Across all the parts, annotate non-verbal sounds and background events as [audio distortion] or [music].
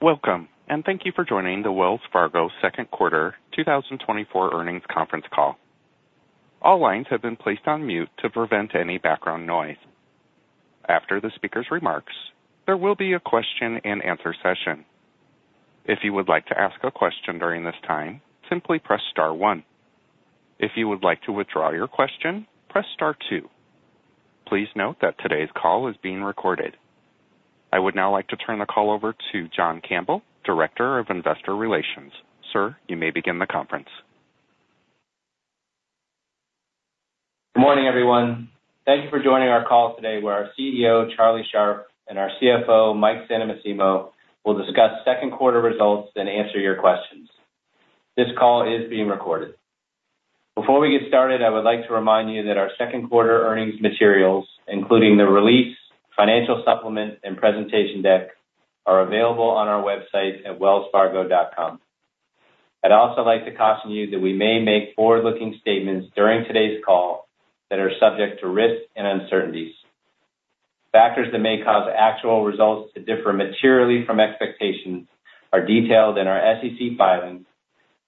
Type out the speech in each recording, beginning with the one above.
Welcome, and thank you for joining the Wells Fargo second quarter 2024 earnings conference call. All lines have been placed on mute to prevent any background noise. After the speaker's remarks, there will be a question-and-answer session. If you would like to ask a question during this time, simply press star one. If you would like to withdraw your question, press star two. Please note that today's call is being recorded. I would now like to turn the call over to John Campbell, Director of Investor Relations. Sir, you may begin the conference. Good morning, everyone. Thank you for joining our call today, where our CEO, Charlie Scharf, and our CFO, Mike Santomassimo, will discuss second quarter results and answer your questions. This call is being recorded. Before we get started, I would like to remind you that our second quarter earnings materials, including the release, financial supplement, and presentation deck, are available on our website at wellsfargo.com. I'd also like to caution you that we may make forward-looking statements during today's call that are subject to risks and uncertainties. Factors that may cause actual results to differ materially from expectations are detailed in our SEC filings,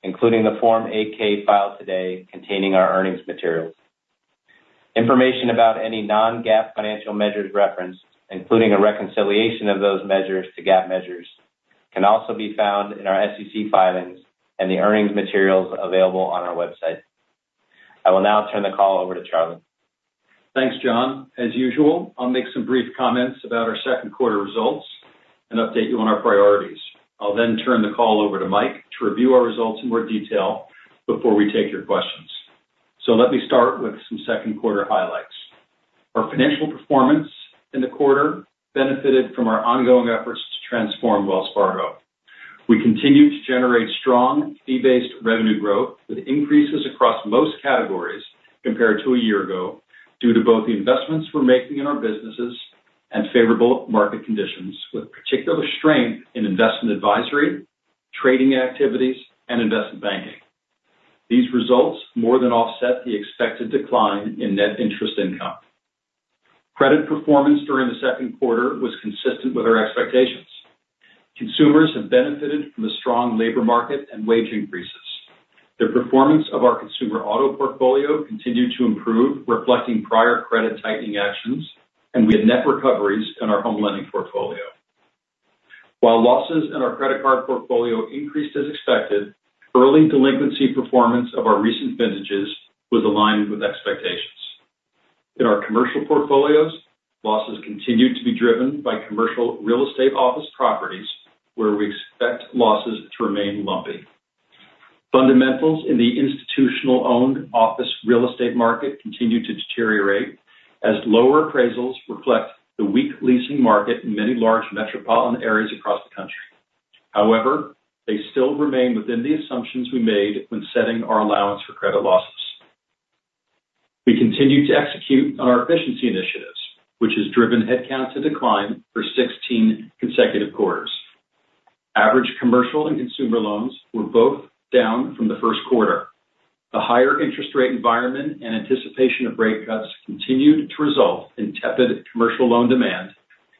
including the Form 8-K filed today containing our earnings materials. Information about any non-GAAP financial measures referenced, including a reconciliation of those measures to GAAP measures, can also be found in our SEC filings and the earnings materials available on our website. I will now turn the call over to Charlie. Thanks, John. As usual, I'll make some brief comments about our second quarter results and update you on our priorities. I'll then turn the call over to Mike to review our results in more detail before we take your questions. Let me start with some second-quarter highlights. Our financial performance in the quarter benefited from our ongoing efforts to transform Wells Fargo. We continue to generate strong fee-based revenue growth, with increases across most categories compared to a year ago, due to both the investments we're making in our businesses and favorable market conditions, with particular strength in investment advisory, trading activities, and investment banking. These results more than offset the expected decline in net interest income. Credit performance during the second quarter was consistent with our expectations. Consumers have benefited from the strong labor market and wage increases. The performance of our consumer auto portfolio continued to improve, reflecting prior credit tightening actions, and we had net recoveries in our home lending portfolio. While losses in our credit card portfolio increased as expected, early delinquency performance of our recent vintages was aligned with expectations. In our commercial portfolios, losses continued to be driven by commercial real estate office properties, where we expect losses to remain lumpy. Fundamentals in the institutional-owned office real estate market continued to deteriorate as lower appraisals reflect the weak leasing market in many large metropolitan areas across the country. However, they still remain within the assumptions we made when setting our allowance for credit losses. We continue to execute on our efficiency initiatives, which has driven headcount to decline for 16 consecutive quarters. Average commercial and consumer loans were both down from the first quarter. The higher interest rate environment and anticipation of rate cuts continued to result in tepid commercial loan demand,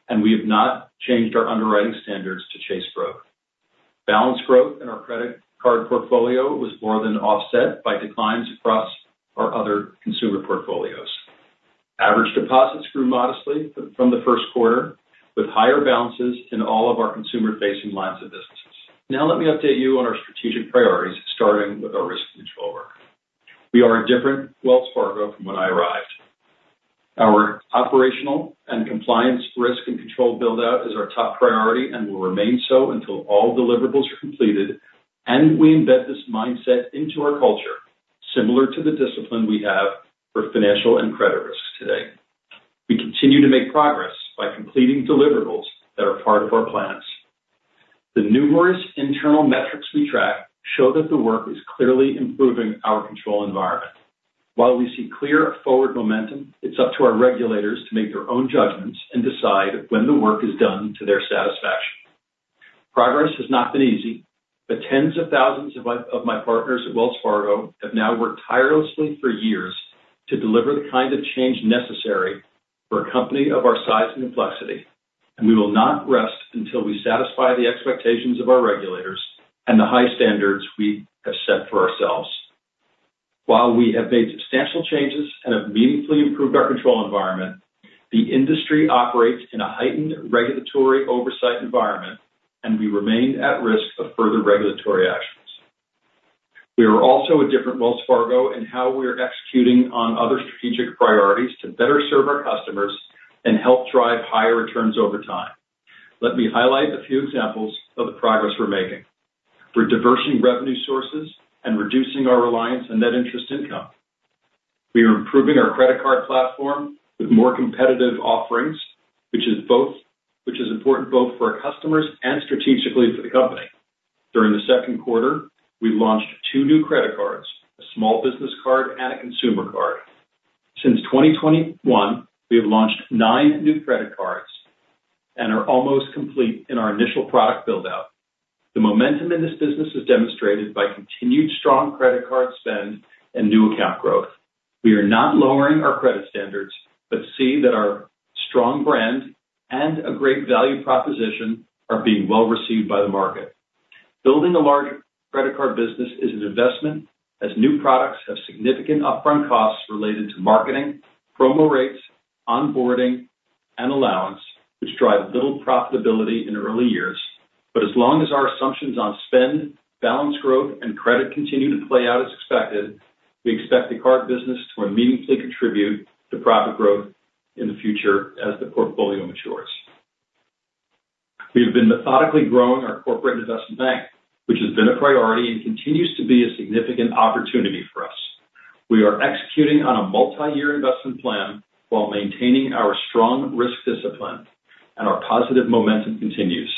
and we have not changed our underwriting standards to chase growth. Balance growth in our credit card portfolio was more than offset by declines across our other consumer portfolios. Average deposits grew modestly from the first quarter, with higher balances in all of our consumer-facing lines of businesses. Now, let me update you on our strategic priorities, starting with our risk control work. We are a different Wells Fargo from when I arrived. Our operational and compliance risk and control build-out is our top priority and will remain so until all deliverables are completed, and we embed this mindset into our culture, similar to the discipline we have for financial and credit risks today. We continue to make progress by completing deliverables that are part of our plans. The numerous internal metrics we track show that the work is clearly improving our control environment. While we see clear forward momentum, it's up to our regulators to make their own judgments and decide when the work is done to their satisfaction. Progress has not been easy, but tens of thousands of my partners at Wells Fargo have now worked tirelessly for years to deliver the kind of change necessary for a company of our size and complexity, and we will not rest until we satisfy the expectations of our regulators and the high standards we have set for ourselves. While we have made substantial changes and have meaningfully improved our control environment, the industry operates in a heightened regulatory oversight environment, and we remain at risk of further regulatory actions. We are also a different Wells Fargo in how we are executing on other strategic priorities to better serve our customers and help drive higher returns over time. Let me highlight a few examples of the progress we're making. We're diversifying revenue sources and reducing our reliance on net interest income. We are improving our credit card platform with more competitive offerings, which is important both for our customers and strategically for the company. During the second quarter, we launched two new credit cards, a small business card and a consumer card. Since 2021, we have launched nine new credit cards and are almost complete in our initial product build-out. The momentum in this business is demonstrated by continued strong credit card spend and new account growth. We are not lowering our credit standards, but see that our strong brand and a great value proposition are being well received by the market. Building a large credit card business is an investment, as new products have significant upfront costs related to marketing, promo rates, onboarding, and allowance, which drive little profitability in the early years. But as long as our assumptions on spend, balance growth, and credit continue to play out as expected, we expect the card business to meaningfully contribute to profit growth in the future as the portfolio matures. We've been methodically growing our corporate investment bank, which has been a priority and continues to be a significant opportunity for us. We are executing on a multi-year investment plan while maintaining our strong risk discipline, and our positive momentum continues.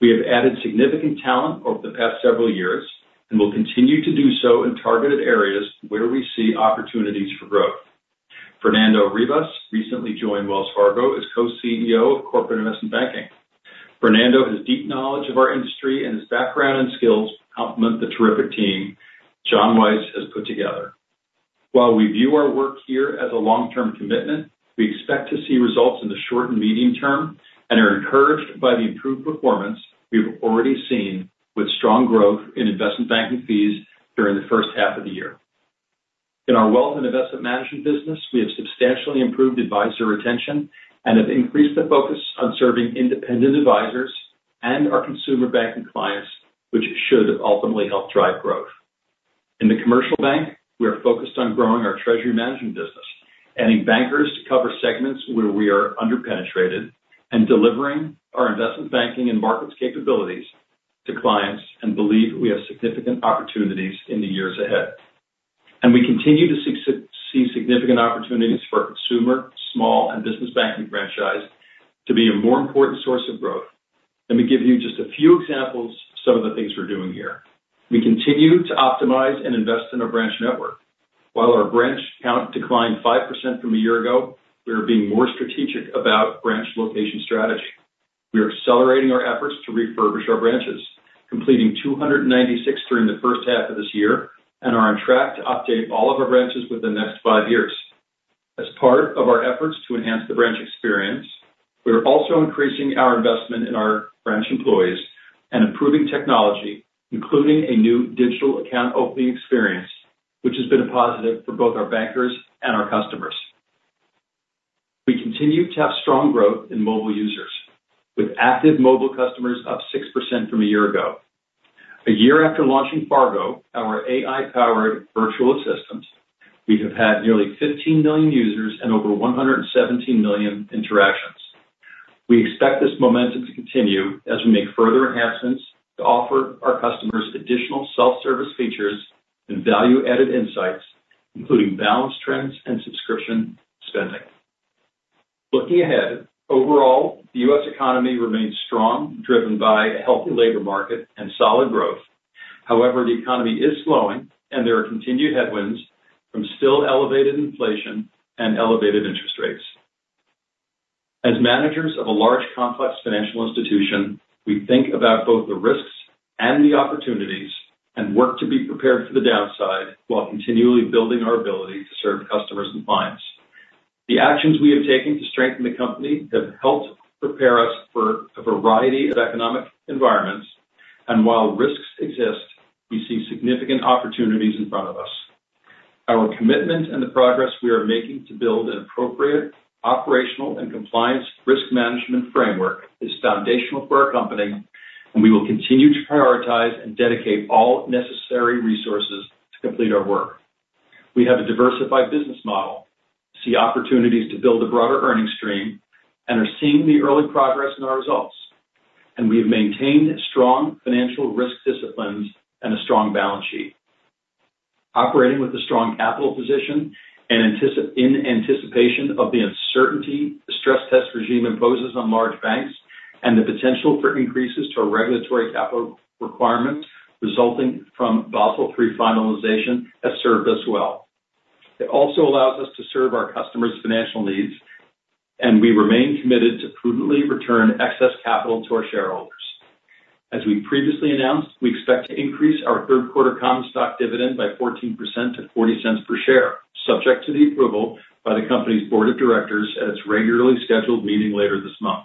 We have added significant talent over the past several years and will continue to do so in targeted areas where we see opportunities for growth. Fernando Rivas recently joined Wells Fargo as Co-CEO of Corporate & Investment Banking. Fernando has deep knowledge of our industry, and his background and skills complement the terrific team Jon Weiss has put together. While we view our work here as a long-term commitment, we expect to see results in the short and medium term and are encouraged by the improved performance we've already seen, with strong growth in investment banking fees during the first half of the year. In our Wealth and Investment Management business, we have substantially improved advisor retention and have increased the focus on serving independent advisors and our consumer banking clients, which should ultimately help drive growth. In the commercial bank, we are focused on growing our treasury management business, adding bankers to cover segments where we are under-penetrated, and delivering our investment banking and markets capabilities to clients, and believe we have significant opportunities in the years ahead. We continue to see significant opportunities for our consumer, small, and business banking franchise to be a more important source of growth. Let me give you just a few examples of some of the things we're doing here. We continue to optimize and invest in our branch network. While our branch count declined 5% from a year ago, we are being more strategic about branch location strategy. We are accelerating our efforts to refurbish our branches, completing 296 during the first half of this year, and are on track to update all of our branches within the next 5 years. As part of our efforts to enhance the branch experience, we are also increasing our investment in our branch employees and improving technology, including a new digital account opening experience, which has been a positive for both our bankers and our customers. We continue to have strong growth in mobile users, with active mobile customers up 6% from a year ago. A year after launching Fargo, our AI-powered virtual assistant, we have had nearly 15 million users and over 117 million interactions. We expect this momentum to continue as we make further enhancements to offer our customers additional self-service features and value-added insights, including balance trends and subscription spending. Looking ahead, overall, the U.S. economy remains strong, driven by a healthy labor market and solid growth. However, the economy is slowing, and there are continued headwinds from still elevated inflation and elevated interest rates. As managers of a large, complex financial institution, we think about both the risks and the opportunities and work to be prepared for the downside, while continually building our ability to serve customers and clients. The actions we have taken to strengthen the company have helped prepare us for a variety of economic environments, and while risks exist, we see significant opportunities in front of us. Our commitment and the progress we are making to build an appropriate operational and compliance risk management framework is foundational for our company, and we will continue to prioritize and dedicate all necessary resources to complete our work. We have a diversified business model, see opportunities to build a broader earnings stream, and are seeing the early progress in our results. We have maintained strong financial risk disciplines and a strong balance sheet. Operating with a strong capital position and in anticipation of the uncertainty the stress test regime imposes on large banks and the potential for increases to our regulatory capital requirements resulting from Basel III finalization, has served us well. It also allows us to serve our customers' financial needs, and we remain committed to prudently return excess capital to our shareholders. As we previously announced, we expect to increase our third quarter common stock dividend by 14% to $0.40 per share, subject to the approval by the company's board of directors at its regularly scheduled meeting later this month.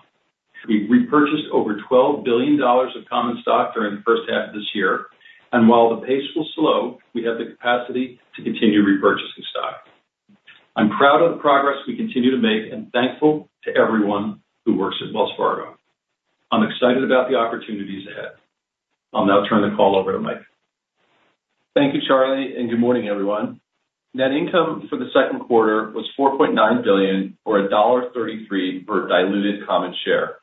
We've repurchased over $12 billion of common stock during the first half of this year, and while the pace will slow, we have the capacity to continue repurchasing stock. I'm proud of the progress we continue to make and thankful to everyone who works at Wells Fargo. I'm excited about the opportunities ahead. I'll now turn the call over to Mike. Thank you, Charlie, and good morning, everyone. Net income for the second quarter was $4.9 billion, or $1.33 per diluted common share.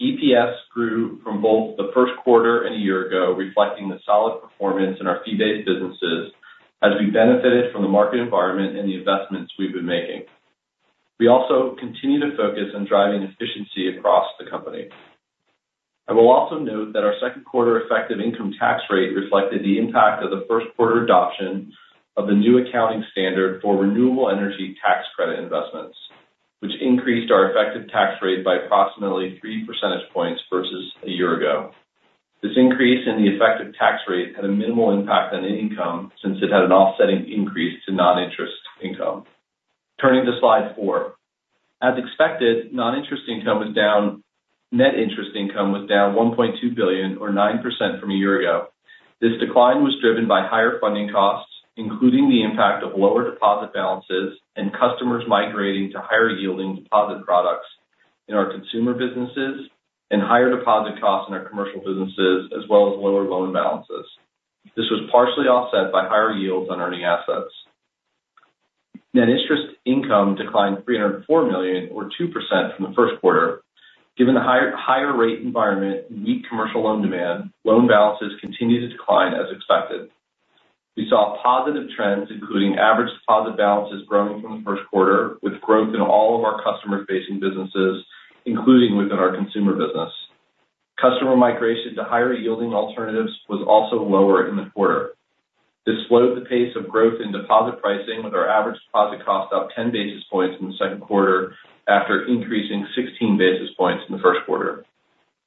EPS grew from both the first quarter and a year ago, reflecting the solid performance in our fee-based businesses as we benefited from the market environment and the investments we've been making. We also continue to focus on driving efficiency across the company. I will also note that our second quarter effective income tax rate reflected the impact of the first quarter adoption of the new accounting standard for renewable energy tax credit investments, which increased our effective tax rate by approximately 3 percentage points versus a year ago. This increase in the effective tax rate had a minimal impact on income since it had an offsetting increase to non-interest income. Turning to slide 4. As expected, non-interest income was down. Net interest income was down $1.2 billion, or 9% from a year ago. This decline was driven by higher funding costs, including the impact of lower deposit balances and customers migrating to higher-yielding deposit products in our consumer businesses and higher deposit costs in our commercial businesses, as well as lower loan balances. This was partially offset by higher yields on earning assets. Net interest income declined $304 million, or 2% from the first quarter. Given the higher, higher rate environment and weak commercial loan demand, loan balances continued to decline as expected. We saw positive trends, including average deposit balances growing from the first quarter, with growth in all of our customer-facing businesses, including within our consumer business. Customer migration to higher-yielding alternatives was also lower in the quarter. This slowed the pace of growth in deposit pricing, with our average deposit cost up 10 basis points in the second quarter after increasing 16 basis points in the first quarter.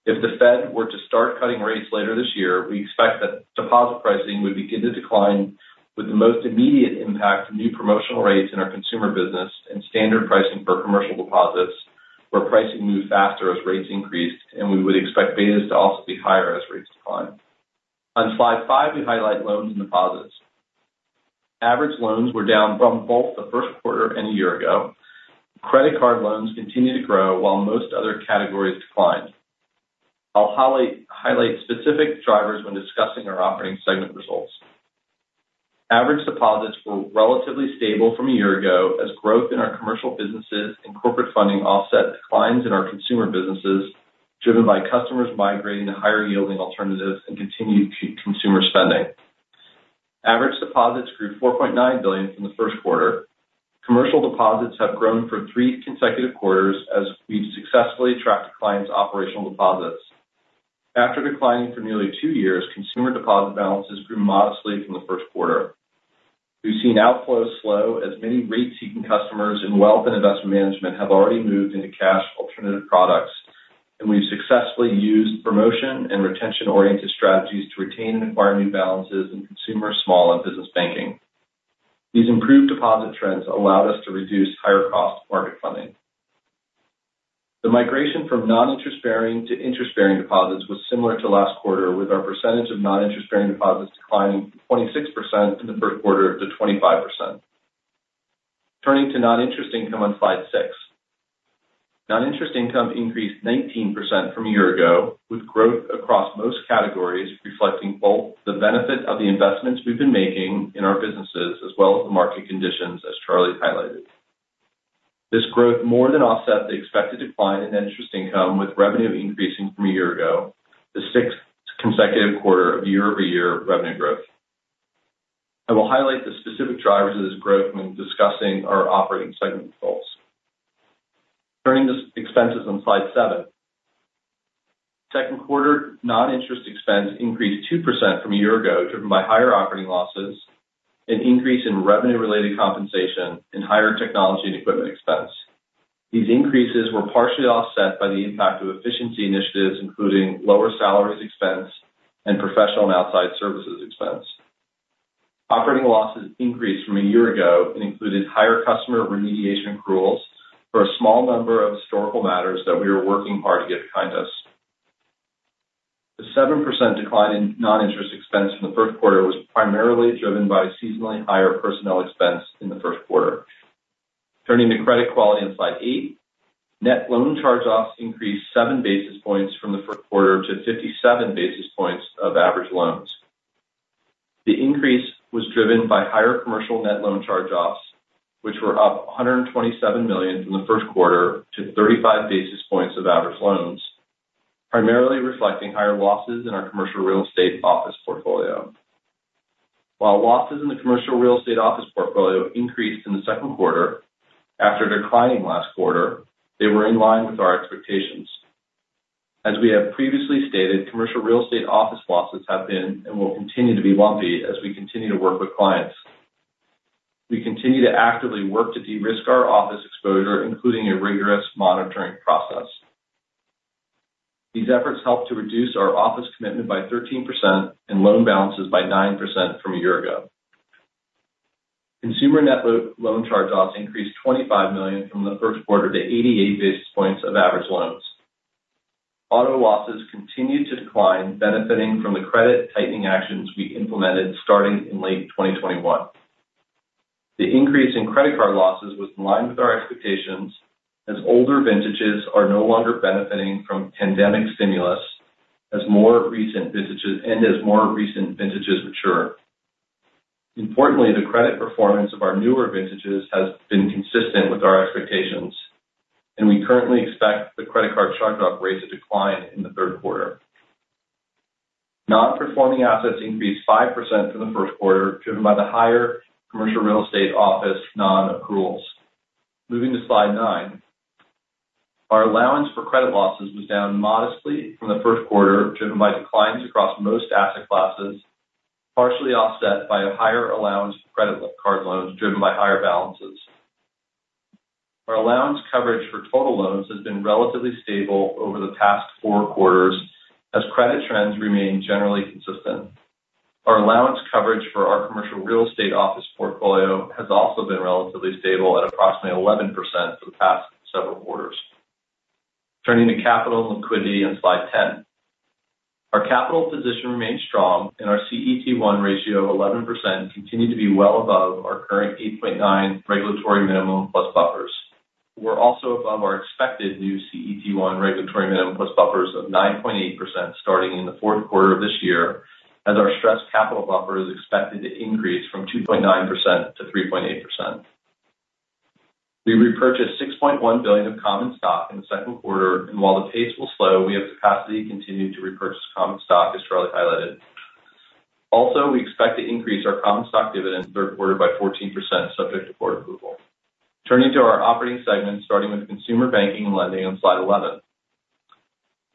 If the Fed were to start cutting rates later this year, we expect that deposit pricing would begin to decline, with the most immediate impact of new promotional rates in our consumer business and standard pricing for commercial deposits, where pricing moved faster as rates increased, and we would expect betas to also be higher as rates decline. On slide 5, we highlight loans and deposits. Average loans were down from both the first quarter and a year ago. Credit card loans continued to grow, while most other categories declined. I'll highlight specific drivers when discussing our operating segment results. Average deposits were relatively stable from a year ago, as growth in our commercial businesses and corporate funding offset declines in our consumer businesses, driven by customers migrating to higher-yielding alternatives and continued consumer spending. Average deposits grew $4.9 billion from the first quarter. Commercial deposits have grown for three consecutive quarters as we've successfully attracted clients' operational deposits. After declining for nearly two years, consumer deposit balances grew modestly from the first quarter. We've seen outflows slow as many rate-seeking customers in Wealth and Investment Management have already moved into cash alternative products, and we've successfully used promotion and retention-oriented strategies to retain and acquire new balances in consumer, small, and business banking. These improved deposit trends allowed us to reduce higher-cost market funding. The migration from non-interest-bearing to interest-bearing deposits was similar to last quarter, with our percentage of non-interest-bearing deposits declining 26% in the first quarter to 25%. Turning to non-interest income on slide 6. Non-interest income increased 19% from a year ago, with growth across most categories, reflecting both the benefit of the investments we've been making in our businesses as well as the market conditions, as Charlie highlighted. This growth more than offset the expected decline in net interest income, with revenue increasing from a year ago, the 6th consecutive quarter of year-over-year revenue growth. I will highlight the specific drivers of this growth when discussing our operating segment results. Turning to expenses on slide 7. Second quarter non-interest expense increased 2% from a year ago, driven by higher operating losses, an increase in revenue-related compensation, and higher technology and equipment expense. These increases were partially offset by the impact of efficiency initiatives, including lower salaries expense and professional and outside services expense. Operating losses increased from a year ago and included higher customer remediation accruals for a small number of historical matters that we are working hard to get behind us. The 7% decline in non-interest expense from the first quarter was primarily driven by seasonally higher personnel expense in the first quarter. Turning to credit quality on slide 8, net loan charge-offs increased 7 basis points from the first quarter to 57 basis points of average loans. The increase was driven by higher commercial net loan charge-offs, which were up $127 million from the first quarter to 35 basis points of average loans, primarily reflecting higher losses in our commercial real estate office portfolio. While losses in the commercial real estate office portfolio increased in the second quarter after declining last quarter, they were in line with our expectations. As we have previously stated, commercial real estate office losses have been and will continue to be lumpy as we continue to work with clients. We continue to actively work to de-risk our office exposure, including a rigorous monitoring process. These efforts helped to reduce our office commitment by 13% and loan balances by 9% from a year ago. Consumer net loan charge-offs increased $25 million from the first quarter to 88 basis points of average loans. Auto losses continued to decline, benefiting from the credit tightening actions we implemented starting in late 2021. The increase in credit card losses was in line with our expectations, as older vintages are no longer benefiting from pandemic stimulus as more recent vintages, and as more recent vintages mature. Importantly, the credit performance of our newer vintages has been consistent with our expectations, and we currently expect the credit card charge-off rate to decline in the third quarter. Non-performing assets increased 5% from the first quarter, driven by the higher commercial real estate office non-accruals. Moving to slide 9. Our allowance for credit losses was down modestly from the first quarter, driven by declines across most asset classes, partially offset by a higher allowance for credit card loans, driven by higher balances. Our allowance coverage for total loans has been relatively stable over the past four quarters as credit trends remain generally consistent. Our allowance coverage for our commercial real estate office portfolio has also been relatively stable at approximately 11% for the past several quarters. Turning to capital and liquidity on slide 10. Our capital position remains strong, and our CET1 ratio of 11% continue to be well above our current 8.9% regulatory minimum plus buffers. We're also above our expected new CET1 regulatory minimum plus buffers of 9.8% starting in the fourth quarter of this year, as our stress capital buffer is expected to increase from 2.9% -3.8%. We repurchased $6.1 billion of common stock in the second quarter, and while the pace will slow, we have capacity to continue to repurchase common stock, as Charlie highlighted. Also, we expect to increase our common stock dividend in third quarter by 14%, subject to board approval. Turning to our operating segments, starting with consumer banking and lending on slide 11.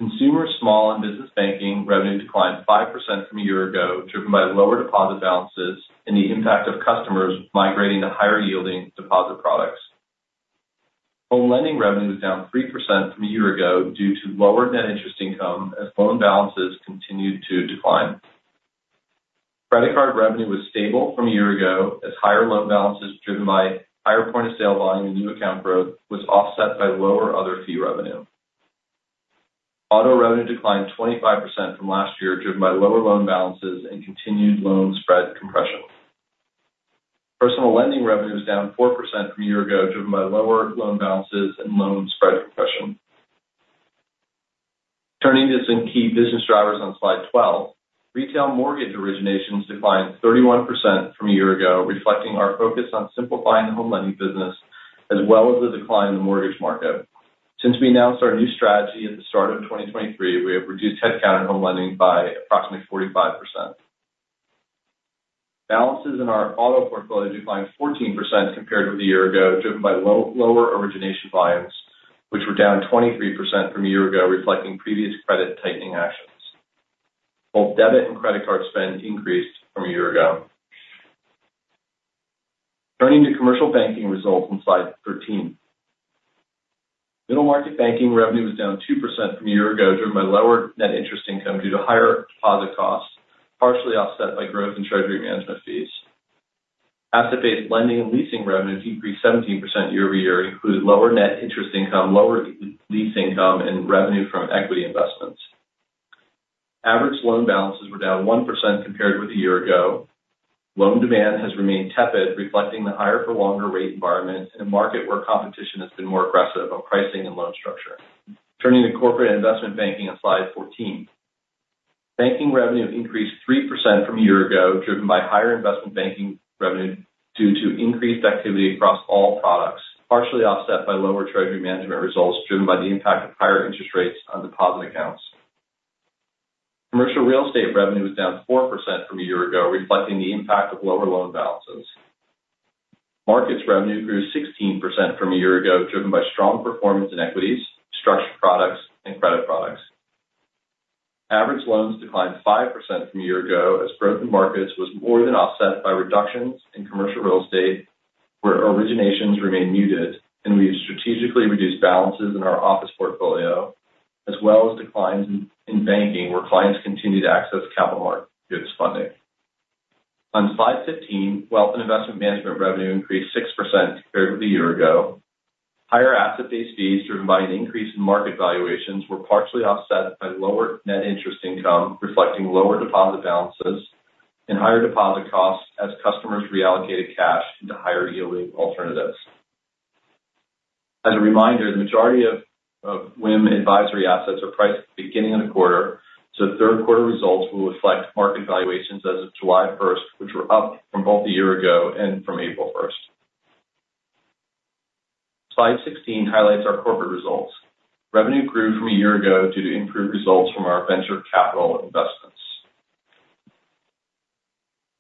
Consumer small and business banking revenue declined 5% from a year ago, driven by lower deposit balances and the impact of customers migrating to higher-yielding deposit products. Home lending revenue was down 3% from a year ago due to lower net interest income as loan balances continued to decline. Credit card revenue was stable from a year ago as higher loan balances, driven by higher point-of-sale volume and new account growth, was offset by lower other fee revenue. Auto revenue declined 25% from last year, driven by lower loan balances and continued loan spread compression. Personal lending revenue is down 4% from a year ago, driven by lower loan balances and loan spread compression. Turning to some key business drivers on slide 12. Retail mortgage originations declined 31% from a year ago, reflecting our focus on simplifying the home lending business, as well as the decline in the mortgage market. Since we announced our new strategy at the start of 2023, we have reduced headcount in home lending by approximately 45%. Balances in our auto portfolio declined 14% compared with a year ago, driven by lower origination volumes, which were down 23% from a year ago, reflecting previous credit tightening actions. Both debit and credit card spend increased from a year ago. Turning to commercial banking results on slide 13. Middle market banking revenue was down 2% from a year ago, driven by lower net interest income due to higher deposit costs, partially offset by growth in treasury management fees. Asset-based lending and leasing revenues increased 17% year-over-year, including lower net interest income, lower lease income, and revenue from equity investments. Average loan balances were down 1% compared with a year ago. Loan demand has remained tepid, reflecting the higher for longer rate environment in a market where competition has been more aggressive on pricing and loan structure. Turning to corporate and investment banking on slide 14. Banking revenue increased 3% from a year ago, driven by higher investment banking revenue due to increased activity across all products, partially offset by lower treasury management results, driven by the impact of higher interest rates on deposit accounts. Commercial real estate revenue was down 4% from a year ago, reflecting the impact of lower loan balances. Markets revenue grew 16% from a year ago, driven by strong performance in equities, structured products, and credit products. Average loans declined 5% from a year ago as growth in markets was more than offset by reductions in commercial real estate, where originations remain muted and we've strategically reduced balances in our office portfolio, as well as declines in banking, where clients continue to access capital markets funding. On slide 15, Wealth and Investment Management revenue increased 6% compared with a year ago. Higher asset-based fees, driven by an increase in market valuations, were partially offset by lower net interest income, reflecting lower deposit balances and higher deposit costs as customers reallocated cash into higher-yielding alternatives. As a reminder, the majority of WIM advisory assets are priced at the beginning of the quarter, so third quarter results will reflect market valuations as of July 1, which were up from both a year ago and from April 1. Slide 16 highlights our corporate results. Revenue grew from a year ago due to improved results from our venture capital investments.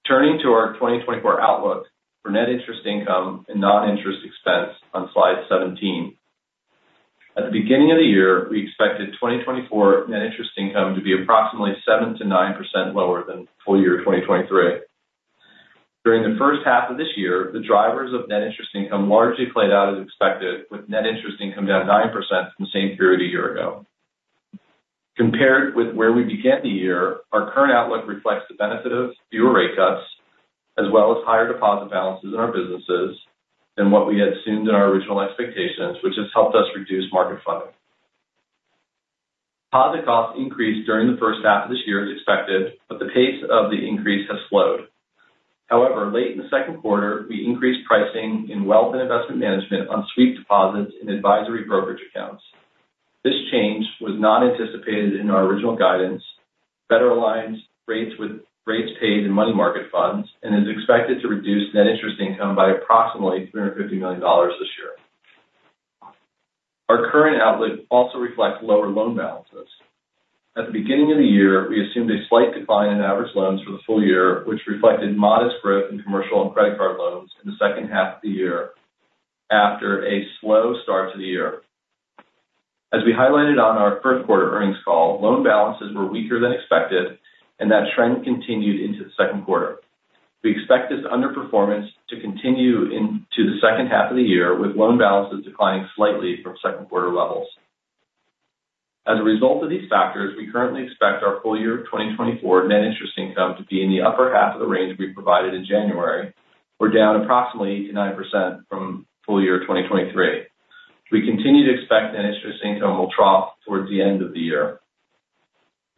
Turning to our 2024 outlook for net interest income and non-interest expense on slide 17. At the beginning of the year, we expected 2024 net interest income to be approximately 7%-9% lower than full year 2023. During the first half of this year, the drivers of net interest income largely played out as expected, with net interest income down 9% from the same period a year ago. Compared with where we began the year, our current outlook reflects the benefit of fewer rate cuts, as well as higher deposit balances in our businesses than what we had assumed in our original expectations, which has helped us reduce market funding. Deposit costs increased during the first half of this year as expected, but the pace of the increase has slowed. However, late in the second quarter, we increased pricing in Wealth and Investment Management on sweep deposits in advisory brokerage accounts. This change was not anticipated in our original guidance. Better aligns rates with rates paid in money market funds and is expected to reduce net interest income by approximately $350 million this year. Our current outlook also reflects lower loan balances. At the beginning of the year, we assumed a slight decline in average loans for the full year, which reflected modest growth in commercial and credit card loans in the second half of the year after a slow start to the year. As we highlighted on our first quarter earnings call, loan balances were weaker than expected, and that trend continued into the second quarter. We expect this underperformance to continue into the second half of the year, with loan balances declining slightly from second quarter levels. As a result of these factors, we currently expect our full year 2024 net interest income to be in the upper half of the range we provided in January. We're down approximately 8%-9% from full year 2023. We continue to expect net interest income will trough towards the end of the year.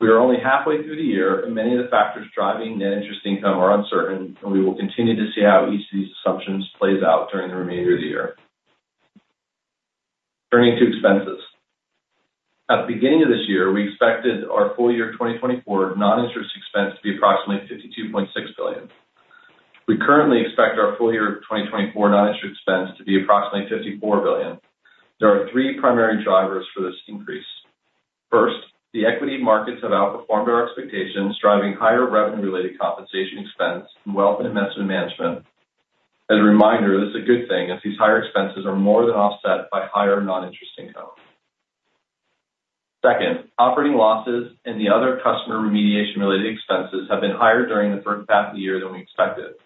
We are only halfway through the year, and many of the factors driving net interest income are uncertain, and we will continue to see how each of these assumptions plays out during the remainder of the year. Turning to expenses. At the beginning of this year, we expected our full year 2024 non-interest expense to be approximately $52.6 billion. We currently expect our full year of 2024 non-interest expense to be approximately $54 billion. There are three primary drivers for this increase. First, the equity markets have outperformed our expectations, driving higher revenue-related compensation expense and Wealth and Investment Management. As a reminder, this is a good thing, as these higher expenses are more than offset by higher non-interest income. Second, operating losses and the other customer remediation-related expenses have been higher during the first half of the year than we expected.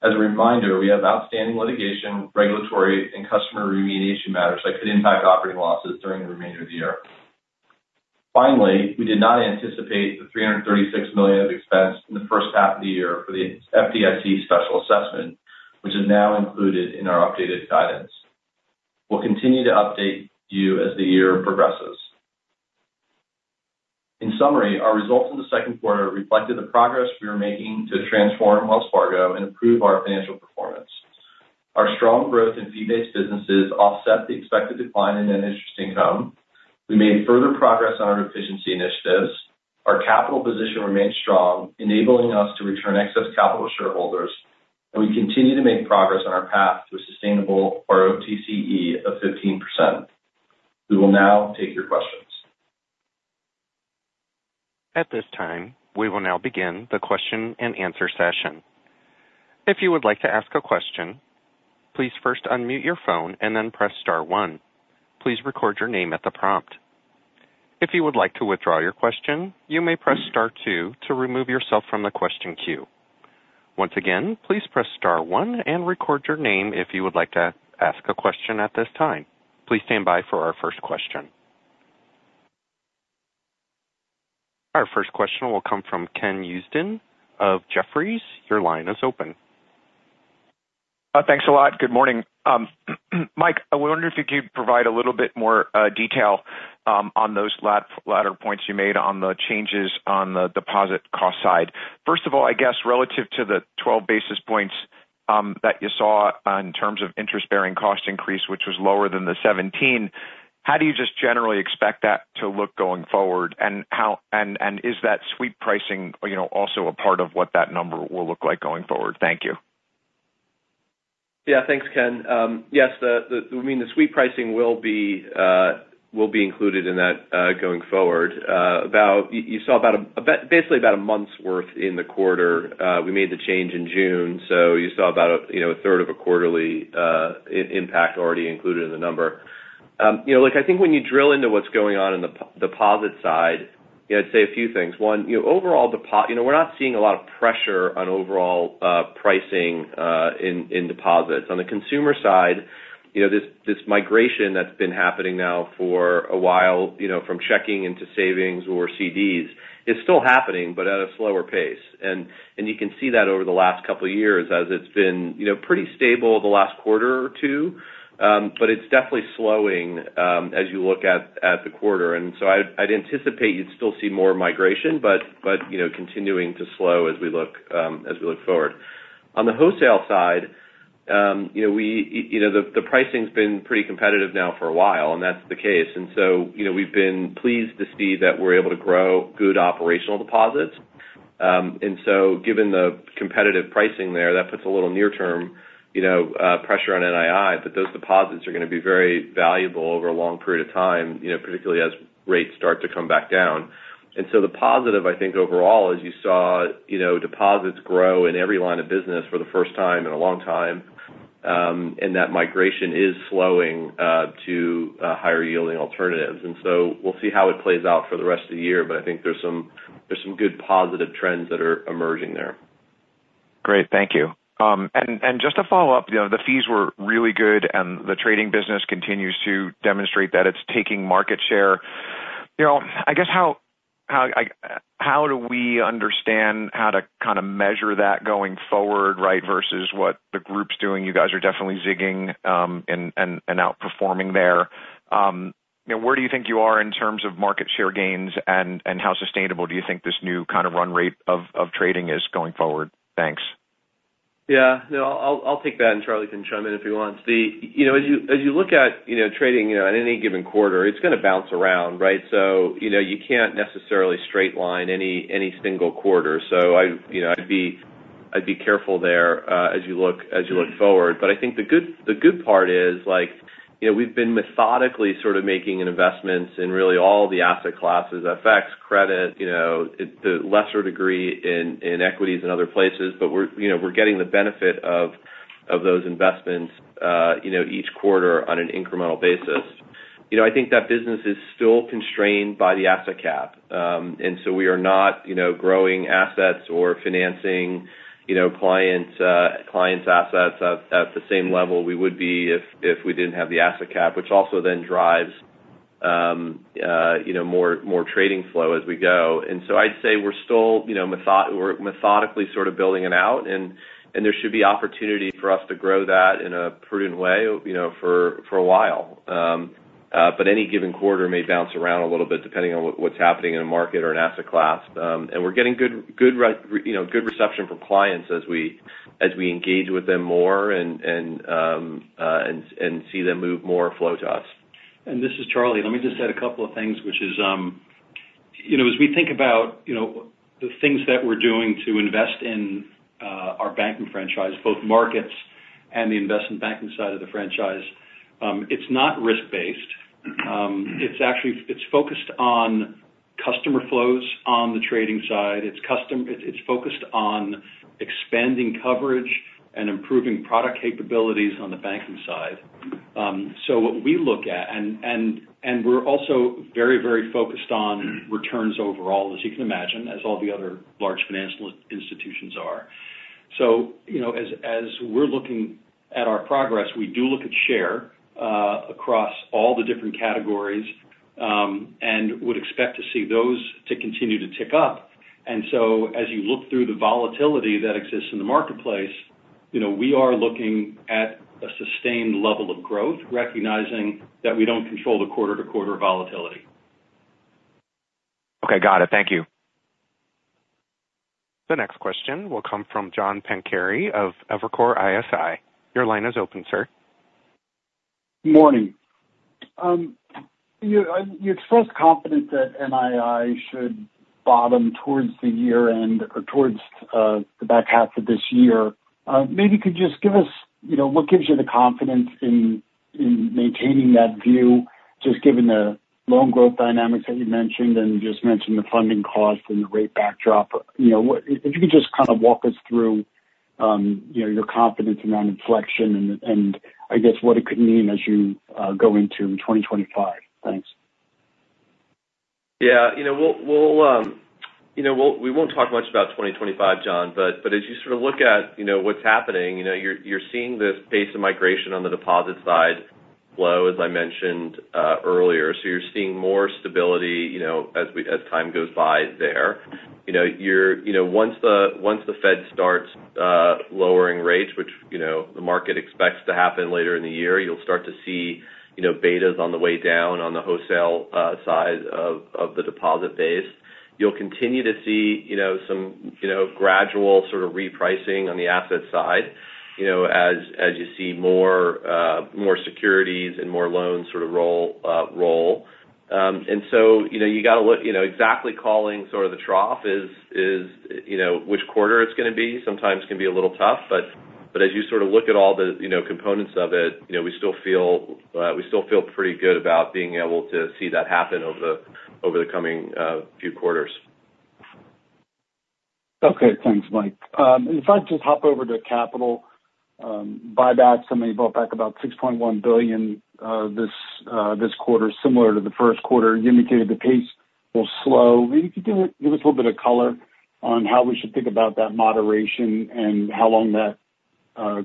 As a reminder, we have outstanding litigation, regulatory, and customer remediation matters that could impact operating losses during the remainder of the year. Finally, we did not anticipate the $336 million of expense in the first half of the year for the FDIC special assessment, which is now included in our updated guidance. We'll continue to update you as the year progresses. In summary, our results in the second quarter reflected the progress we are making to transform Wells Fargo and improve our financial performance. Our strong growth in fee-based businesses offset the expected decline in net interest income. We made further progress on our efficiency initiatives. Our capital position remains strong, enabling us to return excess capital to shareholders, and we continue to make progress on our path to a sustainable ROTCE of 15%. We will now take your questions. At this time, we will now begin the question-and-answer session. If you would like to ask a question, please first unmute your phone and then press star one. Please record your name at the prompt. If you would like to withdraw your question, you may press star two to remove yourself from the question queue. Once again, please press star one and record your name if you would like to ask a question at this time. Please stand by for our first question. Our first question will come from Ken Usdin of Jefferies. Your line is open. Thanks a lot. Good morning. Mike, I wonder if you could provide a little bit more detail on those last latter points you made on the changes on the deposit cost side. First of all, I guess relative to the 12 basis points that you saw in terms of interest-bearing cost increase, which was lower than the 17, how do you just generally expect that to look going forward? And is that sweep pricing, you know, also a part of what that number will look like going forward? Thank you. Yeah, thanks, Ken. Yes, I mean, the sweep pricing will be included in that going forward. About, you saw basically about a month's worth in the quarter. We made the change in June, so you saw about a, you know, a third of a quarterly impact already included in the number. You know, look, I think when you drill into what's going on in the deposit side, you know, I'd say a few things. One, you know, overall deposit, you know, we're not seeing a lot of pressure on overall pricing in deposits. On the consumer side, you know, this migration that's been happening now for a while, you know, from checking into savings or CDs, is still happening, but at a slower pace. You can see that over the last couple of years as it's been, you know, pretty stable the last quarter or two. But it's definitely slowing, as you look at the quarter. And so I'd anticipate you'd still see more migration, but, you know, continuing to slow as we look forward. On the wholesale side, you know, the pricing's been pretty competitive now for a while, and that's the case. And so, you know, we've been pleased to see that we're able to grow good operational deposits. And so given the competitive pricing there, that puts a little near-term, you know, pressure on NII, but those deposits are going to be very valuable over a long period of time, you know, particularly as rates start to come back down. And so the positive, I think, overall, is you saw, you know, deposits grow in every line of business for the first time in a long time, and that migration is slowing to higher-yielding alternatives. And so we'll see how it plays out for the rest of the year, but I think there's some, there's some good positive trends that are emerging there. Great. Thank you. And just to follow up, you know, the fees were really good, and the trading business continues to demonstrate that it's taking market share. You know, I guess, how do we understand how to kind of measure that going forward, right, versus what the group's doing? You guys are definitely zigging and outperforming there. You know, where do you think you are in terms of market share gains, and how sustainable do you think this new kind of run rate of trading is going forward? Thanks. Yeah. No, I'll, I'll take that, and Charlie can chime in if he wants. The, you know, as you, as you look at, you know, trading, you know, at any given quarter, it's going to bounce around, right? So, you know, you can't necessarily straight line any, any single quarter. So I'd, you know, I'd be- I'd be careful there, as you look forward. But I think the good part is, like, you know, we've been methodically sort of making investments in really all the asset classes, FX, credit, you know, to a lesser degree in equities and other places. But we're, you know, we're getting the benefit of those investments, you know, each quarter on an incremental basis. You know, I think that business is still constrained by the asset cap. And so we are not, you know, growing assets or financing, you know, clients', clients' assets at the same level we would be if we didn't have the asset cap, which also then drives, you know, more trading flow as we go. And so I'd say we're still, you know, methodically sort of building it out, and there should be opportunity for us to grow that in a prudent way, you know, for a while. But any given quarter may bounce around a little bit, depending on what's happening in a market or an asset class. And we're getting good reception from clients as we engage with them more and see them move more flow to us. And this is Charlie. Let me just add a couple of things, which is, you know, as we think about, you know, the things that we're doing to invest in our banking franchise, both markets and the investment banking side of the franchise, it's not risk-based. It's actually—it's focused on customer flows on the trading side. It's focused on expanding coverage and improving product capabilities on the banking side. So what we look at and we're also very, very focused on returns overall, as you can imagine, as all the other large financial institutions are. So, you know, as we're looking at our progress, we do look at share across all the different categories, and would expect to see those to continue to tick up. And so as you look through the volatility that exists in the marketplace, you know, we are looking at a sustained level of growth, recognizing that we don't control the quarter-to-quarter volatility. Okay. Got it. Thank you. The next question will come from John Pancari of Evercore ISI. Your line is open, sir. Morning. You expressed confidence that NII should bottom towards the year-end or towards the back half of this year. Maybe you could just give us, you know, what gives you the confidence in maintaining that view, just given the loan growth dynamics that you mentioned, and you just mentioned the funding cost and the rate backdrop. You know, what—if you could just kind of walk us through, you know, your confidence in that inflection, and I guess what it could mean as you go into 2025. Thanks. Yeah, you know, we'll, we won't talk much about 2025, John, but as you sort of look at, you know, what's happening, you know, you're seeing this pace of migration on the deposit side slow, as I mentioned earlier. So you're seeing more stability, you know, as time goes by there. You know, you're, you know, once the Fed starts lowering rates, which, you know, the market expects to happen later in the year, you'll start to see, you know, betas on the way down on the wholesale side of the deposit base. You'll continue to see, you know, some gradual sort of repricing on the asset side, you know, as you see more securities and more loans sort of roll. And so, you know, you gotta look, you know, exactly calling sort of the trough is, you know, which quarter it's gonna be, sometimes can be a little tough. But as you sort of look at all the, you know, components of it, you know, we still feel, we still feel pretty good about being able to see that happen over the coming few quarters. Okay, thanks, Mike. If I could just hop over to capital, buyback, somebody bought back about $6.1 billion this, this quarter, similar to the first quarter. You indicated the pace will slow. Maybe you could give, give us a little bit of color on how we should think about that moderation and how long that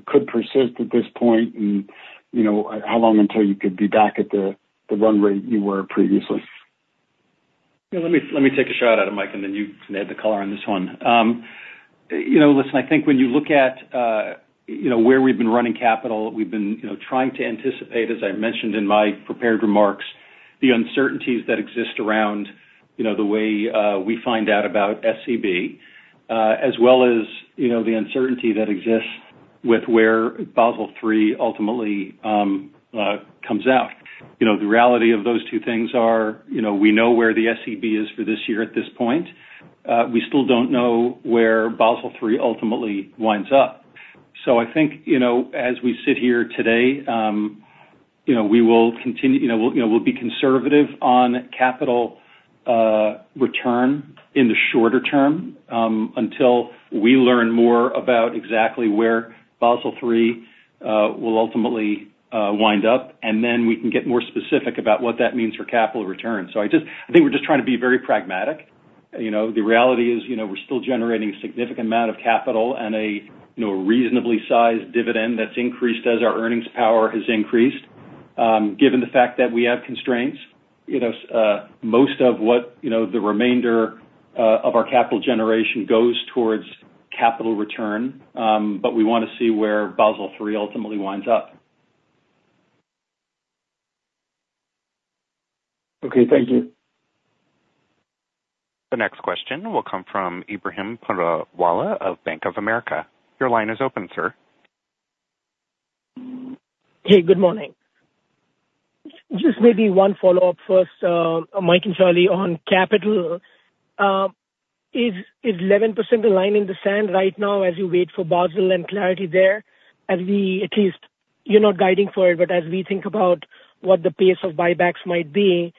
could persist at this point, and, you know, how long until you could be back at the, the run rate you were previously? Yeah, let me, let me take a shot at it, Mike, and then you can add the color on this one. You know, listen, I think when you look at, you know, where we've been running capital, we've been, you know, trying to anticipate, as I mentioned in my prepared remarks, the uncertainties that exist around, you know, the way we find out about SCB, as well as, you know, the uncertainty that exists with where Basel III ultimately comes out. You know, the reality of those two things are, you know, we know where the SCB is for this year at this point. We still don't know where Basel III ultimately winds up. So I think, you know, as we sit here today, you know, we will continue, you know, we'll be conservative on capital return in the shorter term, until we learn more about exactly where Basel III will ultimately wind up, and then we can get more specific about what that means for capital returns. So I just I think we're just trying to be very pragmatic. You know, the reality is, you know, we're still generating a significant amount of capital and a reasonably sized dividend that's increased as our earnings power has increased. Given the fact that we have constraints, you know, most of what, you know, the remainder of our capital generation goes towards capital return, but we want to see where Basel III ultimately winds up. Okay, thank you. The next question will come from Ebrahim Poonawala of Bank of America. Your line is open, sir. Hey, good morning. Just maybe one follow-up first, Mike and Charlie, on capital. Is eleven percent a line in the sand right now as you wait for Basel and clarity there? As we at least you're not guiding for it, but as we think about what the pace of buybacks might be,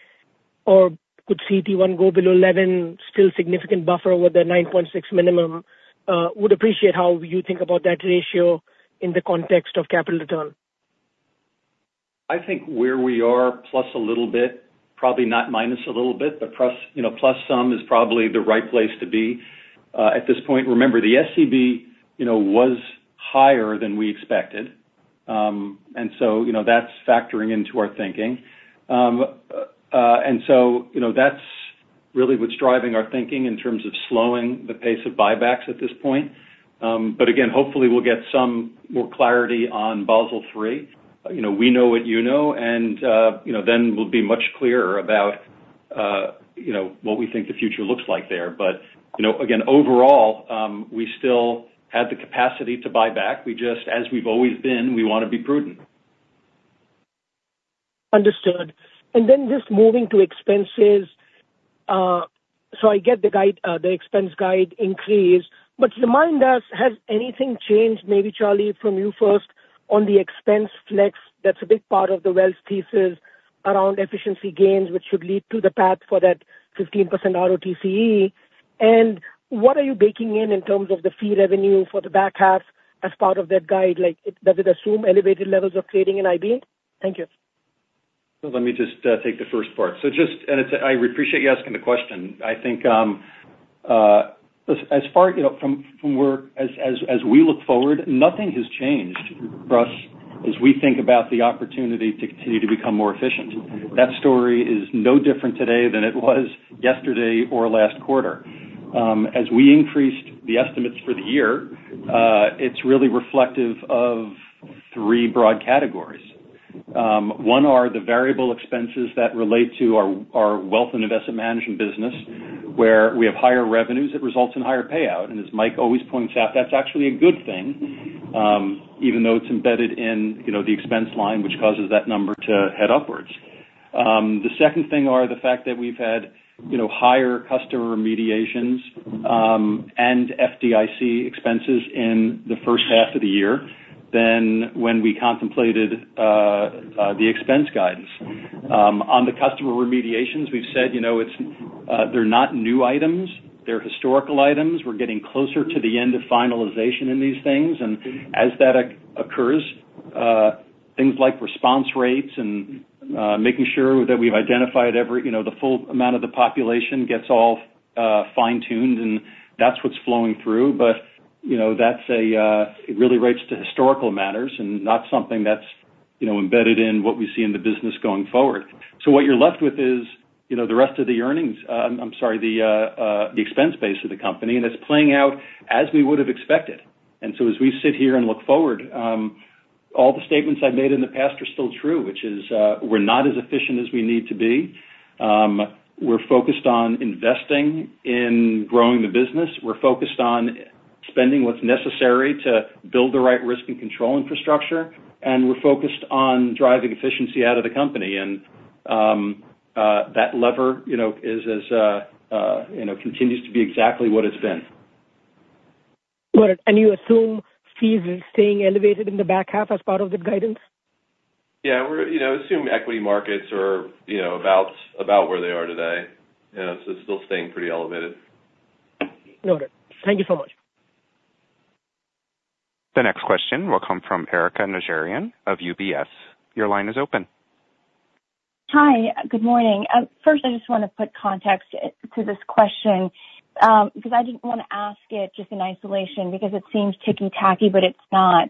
or could CET1 go below 11, still significant buffer with the 9.6 minimum. Would appreciate how you think about that ratio in the context of capital return. I think where we are, plus a little bit, probably not minus a little bit, but plus, you know, plus some, is probably the right place to be at this point. Remember, the SCB, you know, was higher than we expected. And so, you know, that's factoring into our thinking. And so, you know, that's really what's driving our thinking in terms of slowing the pace of buybacks at this point. But again, hopefully we'll get some more clarity on Basel III. You know, we know what you know, and, you know, then we'll be much clearer about, you know, what we think the future looks like there. But, you know, again, overall, we still have the capacity to buy back. We just, as we've always been, we want to be prudent. Understood. And then just moving to expenses. So I get the guide, the expense guide increase, but remind us, has anything changed, maybe, Charlie, from you first on the expense flex, that's a big part of the wealth thesis around efficiency gains, which should lead to the path for that 15% ROTCE? And what are you baking in, in terms of the fee revenue for the back half as part of that guide? Like, does it assume elevated levels of trading in IB? Thank you. Let me just take the first part. I appreciate you asking the question. I think, as far, you know, from where we look forward, nothing has changed for us as we think about the opportunity to continue to become more efficient. That story is no different today than it was yesterday or last quarter. As we increased the estimates for the year, it's really reflective of three broad categories. One are the variable expenses that relate to our Wealth and Investment Management business, where we have higher revenues, it results in higher payout. And as Mike always points out, that's actually a good thing, even though it's embedded in, you know, the expense line, which causes that number to head upwards. The second thing are the fact that we've had, you know, higher customer remediations, and FDIC expenses in the first half of the year than when we contemplated, the expense guidance. On the customer remediations, we've said, you know, they're not new items, they're historical items. We're getting closer to the end of finalization in these things, and as that occurs, things like response rates and, making sure that we've identified every, you know, the full amount of the population gets all, fine-tuned, and that's what's flowing through. But, you know, that's a, it really relates to historical matters and not something that's, you know, embedded in what we see in the business going forward. So what you're left with is, you know, the rest of the earnings. I'm sorry, the expense base of the company, and it's playing out as we would have expected. And so as we sit here and look forward, all the statements I've made in the past are still true, which is, we're not as efficient as we need to be. We're focused on investing in growing the business. We're focused on spending what's necessary to build the right risk and control infrastructure, and we're focused on driving efficiency out of the company. And, that lever, you know, is as, you know, continues to be exactly what it's been. Got it. You assume fees are staying elevated in the back half as part of the guidance? Yeah, we're, you know, assume equity markets are, you know, about where they are today. You know, so still staying pretty elevated. Noted. Thank you so much. The next question will come from Erika Najarian of UBS. Your line is open. Hi, good morning. First, I just want to put context to this question, because I didn't want to ask it just in isolation because it seems ticky-tacky, but it's not.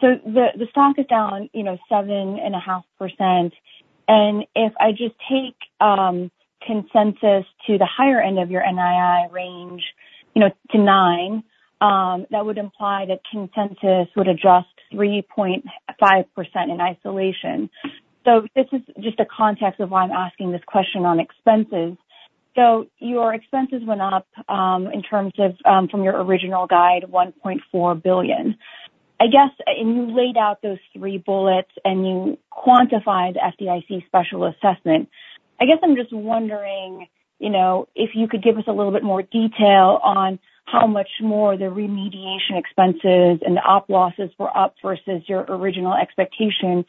So the stock is down, you know, 7.5%, and if I just take consensus to the higher end of your NII range, you know, to 9, that would imply that consensus would adjust 3.5% in isolation. So this is just a context of why I'm asking this question on expenses. So your expenses went up, in terms of, from your original guide, $1.4 billion. I guess, and you laid out those three bullets and you quantified the FDIC special assessment. I guess I'm just wondering, you know, if you could give us a little bit more detail on how much more the remediation expenses and the op losses were up versus your original expectation.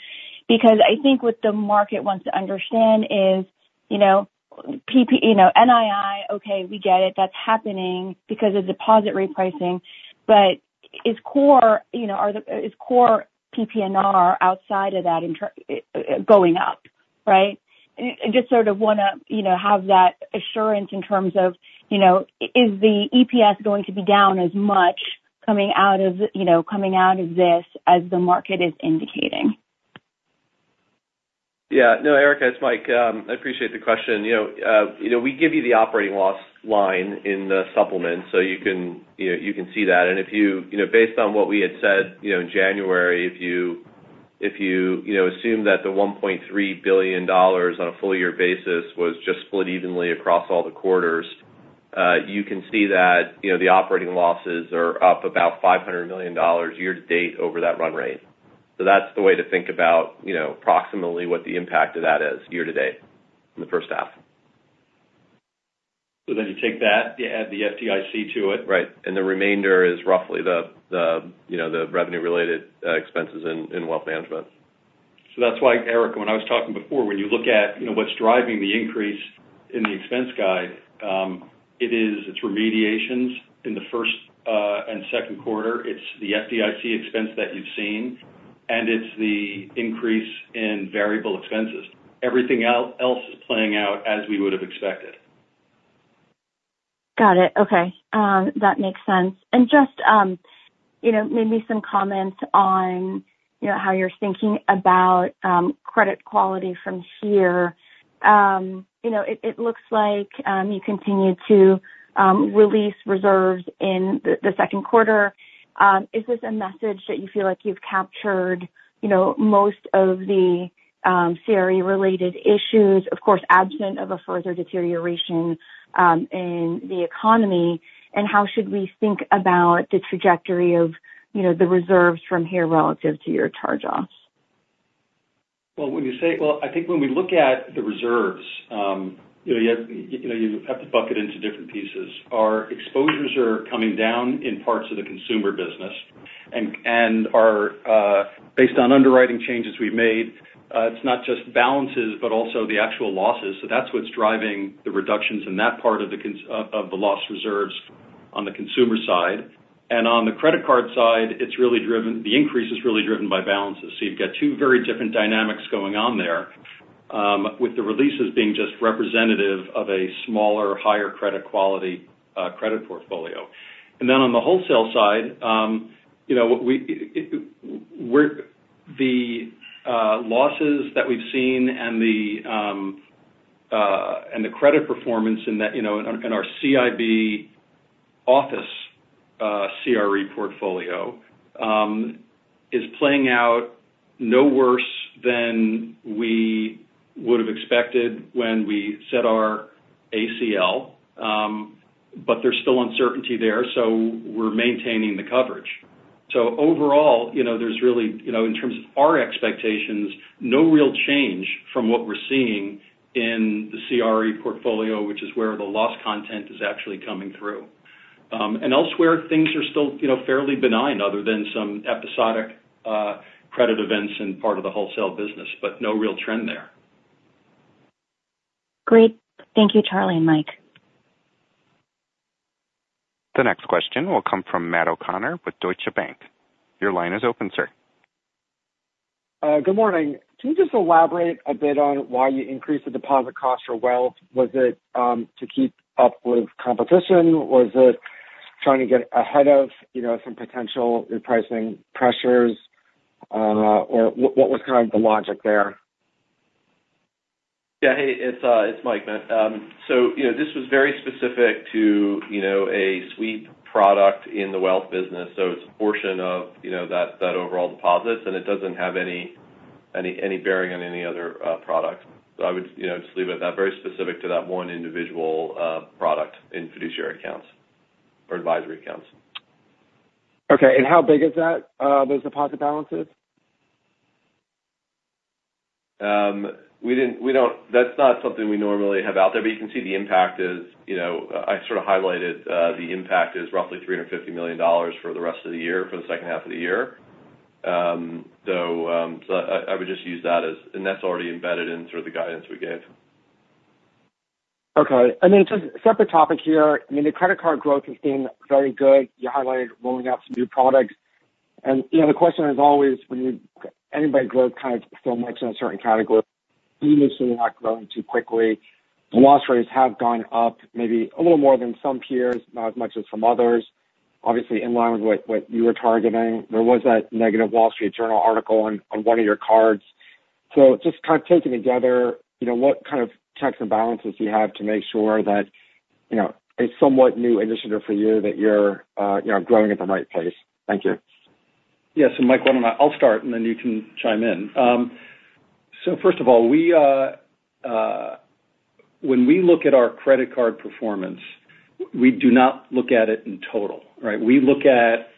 Because I think what the market wants to understand is, you know, PP [audio distortion] You know, NII, okay, we get it, that's happening because of deposit repricing. But is core, you know, is core PPNR outside of that, in terms going up, right? And just sort of wanna, you know, have that assurance in terms of, you know, is the EPS going to be down as much coming out as, you know, coming out of this, as the market is indicating? Yeah. No, Erika, it's Mike. I appreciate the question. You know, you know, we give you the operating loss line in the supplement, so you can, you know, you can see that. And if you, you know, based on what we had said, you know, in January, if you, if you, you know, assume that the $1.3 billion on a full year basis was just split evenly across all the quarters. You can see that, you know, the operating losses are up about $500 million year-to-date over that run rate. So that's the way to think about, you know, approximately what the impact of that is year-to-date in the first half. So then you take that, you add the FDIC to it? Right, and the remainder is roughly the, you know, the revenue-related expenses in wealth management. So that's why, Erika, when I was talking before, when you look at, you know, what's driving the increase in the expense guide, it is, it's remediations in the first and second quarter. It's the FDIC expense that you've seen, and it's the increase in variable expenses. Everything else is playing out as we would've expected. Got it. Okay, that makes sense. And just, you know, maybe some comments on, you know, how you're thinking about, credit quality from here. You know, it looks like, you continued to, release reserves in the, the second quarter. Is this a message that you feel like you've captured, you know, most of the, CRE-related issues, of course, absent of a further deterioration, in the economy? And how should we think about the trajectory of, you know, the reserves from here relative to your charge-offs? Well, when you say—well, I think when we look at the reserves, you know, you have, you know, you have to bucket into different pieces. Our exposures are coming down in parts of the consumer business, and our, based on underwriting changes we've made, it's not just balances, but also the actual losses. So that's what's driving the reductions in that part of the consumer side of the loss reserves on the consumer side. And on the credit card side, it's really driven—the increase is really driven by balances. So you've got two very different dynamics going on there, with the releases being just representative of a smaller, higher credit quality credit portfolio. And then on the wholesale side, you know, the losses that we've seen and the credit performance in that, you know, in our CIB office, CRE portfolio, is playing out no worse than we would've expected when we set our ACL. But there's still uncertainty there, so we're maintaining the coverage. So overall, you know, there's really, you know, in terms of our expectations, no real change from what we're seeing in the CRE portfolio, which is where the loss content is actually coming through. And elsewhere, things are still, you know, fairly benign other than some episodic credit events in part of the wholesale business, but no real trend there. Great. Thank you, Charlie and Mike. The next question will come from Matt O'Connor with Deutsche Bank. Your line is open, sir. Good morning. Can you just elaborate a bit on why you increased the deposit cost for wealth? Was it to keep up with competition? Was it trying to get ahead of, you know, some potential repricing pressures? Or what was kind of the logic there? Yeah, hey, it's Mike, Matt. So, you know, this was very specific to, you know, a sweep product in the wealth business, so it's a portion of, you know, that overall deposits, and it doesn't have any bearing on any other product. So I would, you know, just leave it at that. Very specific to that one individual product in fiduciary accounts or advisory accounts. Okay, and how big is that, those deposit balances? We didn't, we don't – that's not something we normally have out there, but you can see the impact is, you know, I sort of highlighted, the impact is roughly $350 million for the rest of the year, for the second half of the year. So I would just use that as – and that's already embedded in sort of the guidance we gave. Okay. And then just separate topic here. I mean, the credit card growth has been very good. You highlighted rolling out some new products. And, you know, the question is always when you - anybody grows kind of so much in a certain category, you're not growing too quickly. The loss rates have gone up maybe a little more than some peers, not as much as some others. Obviously, in line with what, what you were targeting, there was that negative Wall Street Journal article on, on one of your cards. So just kind of taken together, you know, what kind of checks and balances do you have to make sure that, you know, a somewhat new initiative for you, that you're, you know, growing at the right place? Thank you. Yes, and Mike, why don't I start, and then you can chime in. So first of all, we when we look at our credit card performance, we do not look at it in total, right? We look at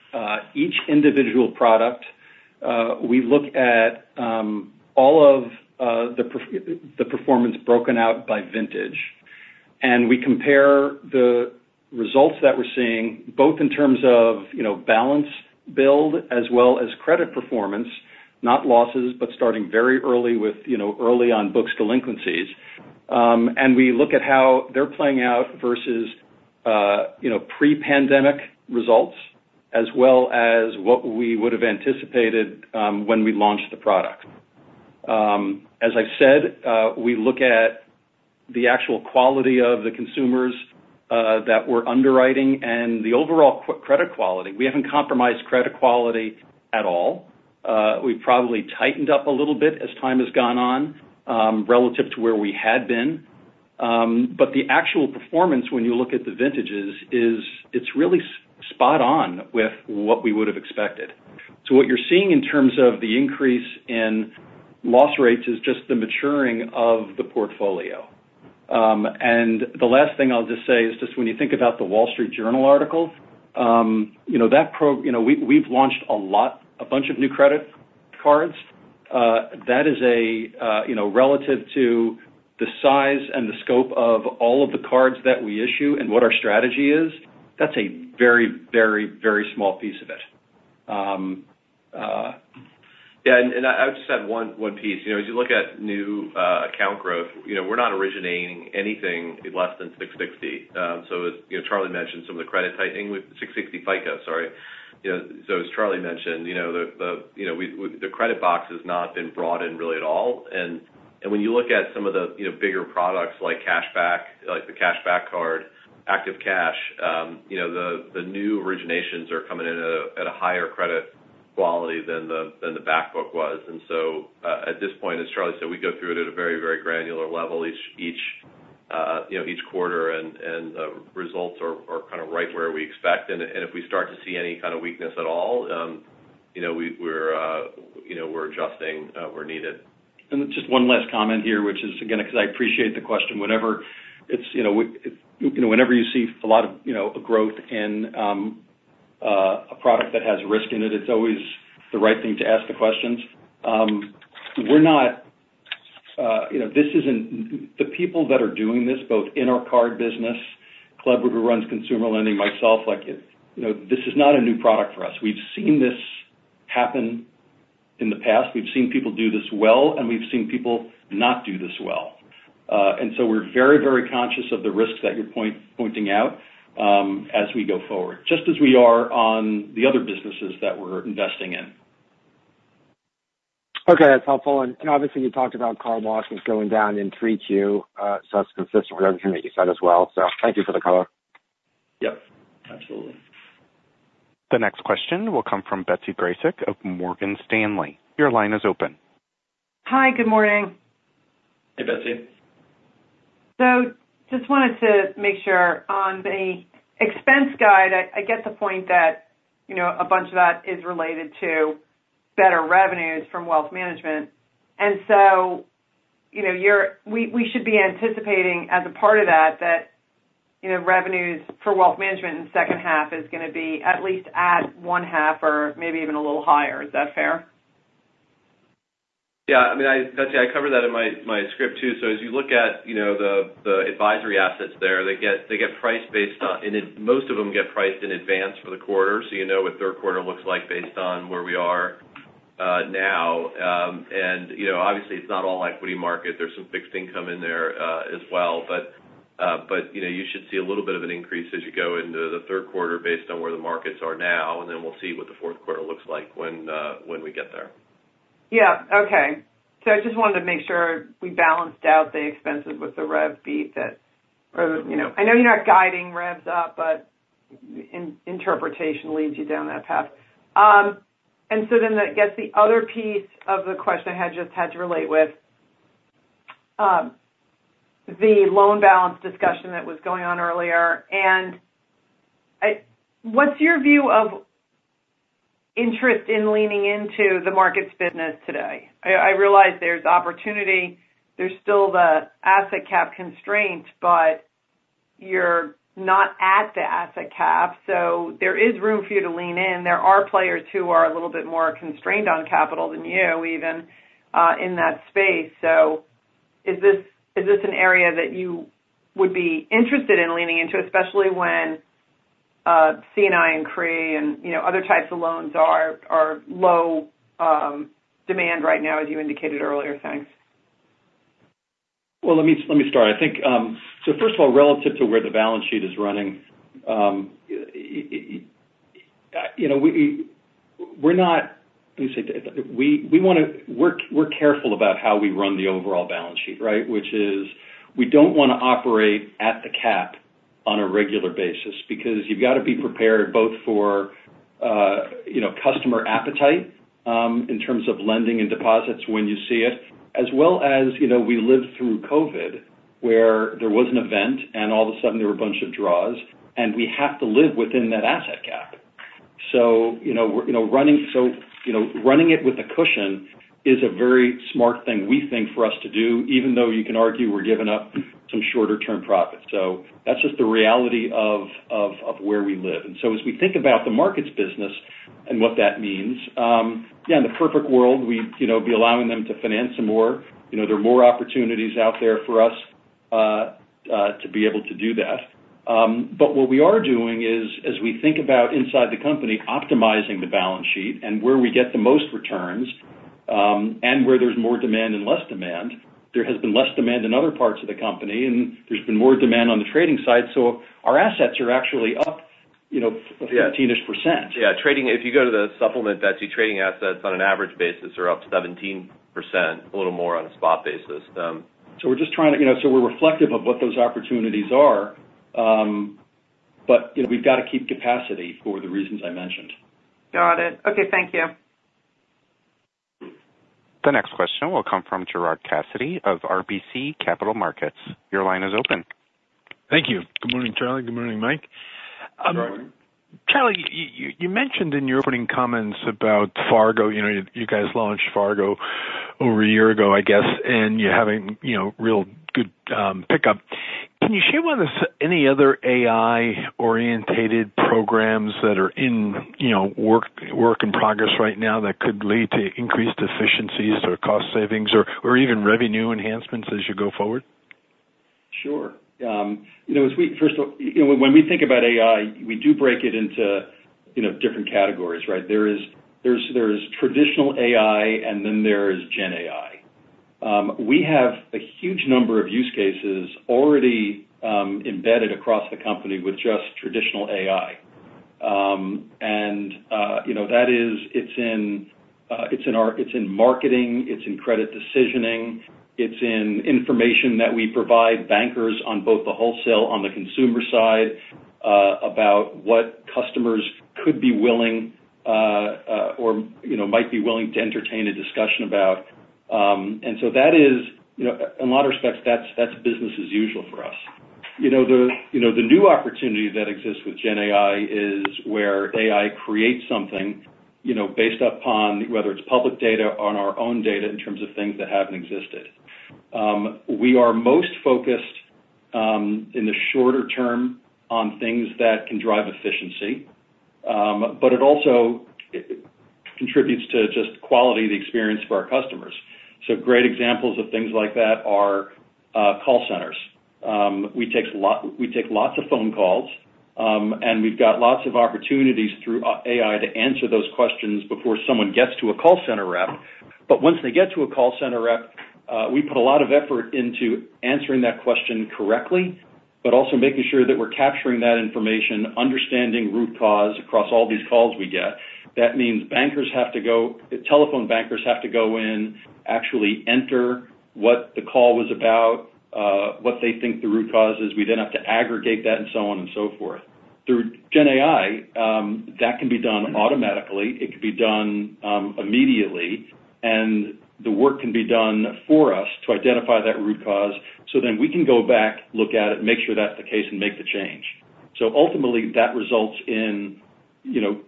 each individual product. We look at all of the performance broken out by vintage, and we compare the results that we're seeing, both in terms of, you know, balance build as well as credit performance, not losses, but starting very early with, you know, early on books delinquencies. And we look at how they're playing out versus, you know, pre-pandemic results, as well as what we would have anticipated when we launched the product. As I said, we look at the actual quality of the consumers that we're underwriting and the overall credit quality. We haven't compromised credit quality at all. We've probably tightened up a little bit as time has gone on, relative to where we had been. But the actual performance, when you look at the vintages, it's really spot on with what we would have expected. So what you're seeing in terms of the increase in loss rates is just the maturing of the portfolio. And the last thing I'll just say is just when you think about the Wall Street Journal article, you know, you know, we, we've launched a lot, a bunch of new credit cards. That is a, you know, relative to the size and the scope of all of the cards that we issue and what our strategy is, that's a very, very, very small piece of it. Yeah, and I'd just add one piece. You know, as you look at new account growth, you know, we're not originating anything less than 660. So as, you know, Charlie mentioned some of the credit tightening with 660 FICO, sorry. You know, so as Charlie mentioned, you know, the, the, you know, the credit box has not been broadened really at all. And when you look at some of the, you know, bigger products like cashback, like the cashback card, Active Cash, you know, the new originations are coming in at a higher credit quality than the back book was. And so, at this point, as Charlie said, we go through it at a very, very granular level each you know each quarter and results are kind of right where we expect. And if we start to see any kind of weakness at all, you know, we're adjusting where needed. Just one last comment here, which is again, because I appreciate the question. Whenever it's, you know, you know, whenever you see a lot of, you know, growth in, a product that has risk in it, it's always the right thing to ask the questions. We're not, you know, this isn't the people that are doing this, both in our card business, Kleber who runs consumer lending, myself, like, you know, this is not a new product for us. We've seen this happen in the past. We've seen people do this well, and we've seen people not do this well. And so we're very, very conscious of the risks that you're pointing out, as we go forward, just as we are on the other businesses that we're investing in. Okay, that's helpful. And obviously, you talked about card losses going down in 3Q, so that's consistent with everything that you said as well. So thank you for the color. Yep, absolutely. The next question will come from Betsy Graseck of Morgan Stanley. Your line is open. Hi, good morning. Hey, Betsy. So just wanted to make sure on the expense guide, I get the point that, you know, a bunch of that is related to better revenues from wealth management. And so, you know, we should be anticipating as a part of that, that, you know, revenues for wealth management in the second half is gonna be at least at 0.5 or maybe even a little higher. Is that fair? Yeah. I mean, Betsy, I covered that in my script, too. So as you look at, you know, the advisory assets there, they get priced based on—most of them get priced in advance for the quarter, so you know what third quarter looks like based on where we are, now. And, you know, obviously it's not all equity market. There's some fixed income in there, as well. But, you know, you should see a little bit of an increase as you go into the third quarter based on where the markets are now, and then we'll see what the fourth quarter looks like when we get there. Yeah. Okay. So I just wanted to make sure we balanced out the expenses with the rev beat that, or, you know, I know you're not guiding revs up, but interpretation leads you down that path. And so then I guess the other piece of the question I had just had to relate with, the loan balance discussion that was going on earlier. And what's your view of interest in leaning into the markets business today? I realize there's opportunity, there's still the asset cap constraint, but you're not at the asset cap, so there is room for you to lean in. There are players who are a little bit more constrained on capital than you, even, in that space. So is this an area that you would be interested in leaning into, especially when C&I and CRE and, you know, other types of loans are low demand right now, as you indicated earlier? Thanks. Well, let me start. I think, so first of all, relative to where the balance sheet is running, you know, we're not—let me say, we wanna, we're careful about how we run the overall balance sheet, right? Which is, we don't wanna operate at the cap on a regular basis, because you've got to be prepared both for, you know, customer appetite, in terms of lending and deposits when you see it, as well as, you know, we lived through COVID, where there was an event, and all of a sudden there were a bunch of draws, and we have to live within that asset cap. So, you know, we're, you know, running it with a cushion is a very smart thing, we think, for us to do, even though you can argue we're giving up some shorter-term profits. So that's just the reality of where we live. So as we think about the markets business and what that means, yeah, in the perfect world, we'd, you know, be allowing them to finance some more. You know, there are more opportunities out there for us to be able to do that. But what we are doing is, as we think about inside the company, optimizing the balance sheet and where we get the most returns, and where there's more demand and less demand, there has been less demand in other parts of the company, and there's been more demand on the trading side. Our assets are actually up, you know, a 15-ish percent. Yeah, trading, if you go to the supplement, that's the trading assets on an average basis are up 17%, a little more on a spot basis. So we're reflective of what those opportunities are, but you know, we've got to keep capacity for the reasons I mentioned. Got it. Okay, thank you. The next question will come from Gerard Cassidy of RBC Capital Markets. Your line is open. Thank you. Good morning, Charlie. Good morning, Mike. Good morning. Charlie, you mentioned in your opening comments about Fargo. You know, you guys launched Fargo over a year ago, I guess, and you're having, you know, real good pickup. Can you share with us any other AI-orientated programs that are in, you know, work in progress right now that could lead to increased efficiencies or cost savings or, or even revenue enhancements as you go forward? Sure. You know, as we first of all, you know, when we think about AI, we do break it into, you know, different categories, right? There is traditional AI, and then there is Gen AI. We have a huge number of use cases already embedded across the company with just traditional AI. You know, that is, it's in our, it's in marketing, it's in credit decisioning, it's in information that we provide bankers on both the wholesale on the consumer side, about what customers could be willing, or, you know, might be willing to entertain a discussion about. And so that is, you know, in a lot of respects, that's business as usual for us. You know, the new opportunity that exists with Gen AI is where AI creates something, you know, based upon whether it's public data or on our own data in terms of things that haven't existed. We are most focused in the shorter term on things that can drive efficiency, but it also contributes to just quality of the experience for our customers. So great examples of things like that are call centers. We take lots of phone calls, and we've got lots of opportunities through AI to answer those questions before someone gets to a call center rep. But once they get to a call center rep, we put a lot of effort into answering that question correctly, but also making sure that we're capturing that information, understanding root cause across all these calls we get. That means bankers have to go, telephone bankers have to go in, actually enter what the call was about, what they think the root cause is. We then have to aggregate that, and so on and so forth. Through Gen AI, that can be done automatically, it can be done, immediately, and the work can be done for us to identify that root cause, so then we can go back, look at it, make sure that's the case, and make the change. So ultimately, that results in, you know,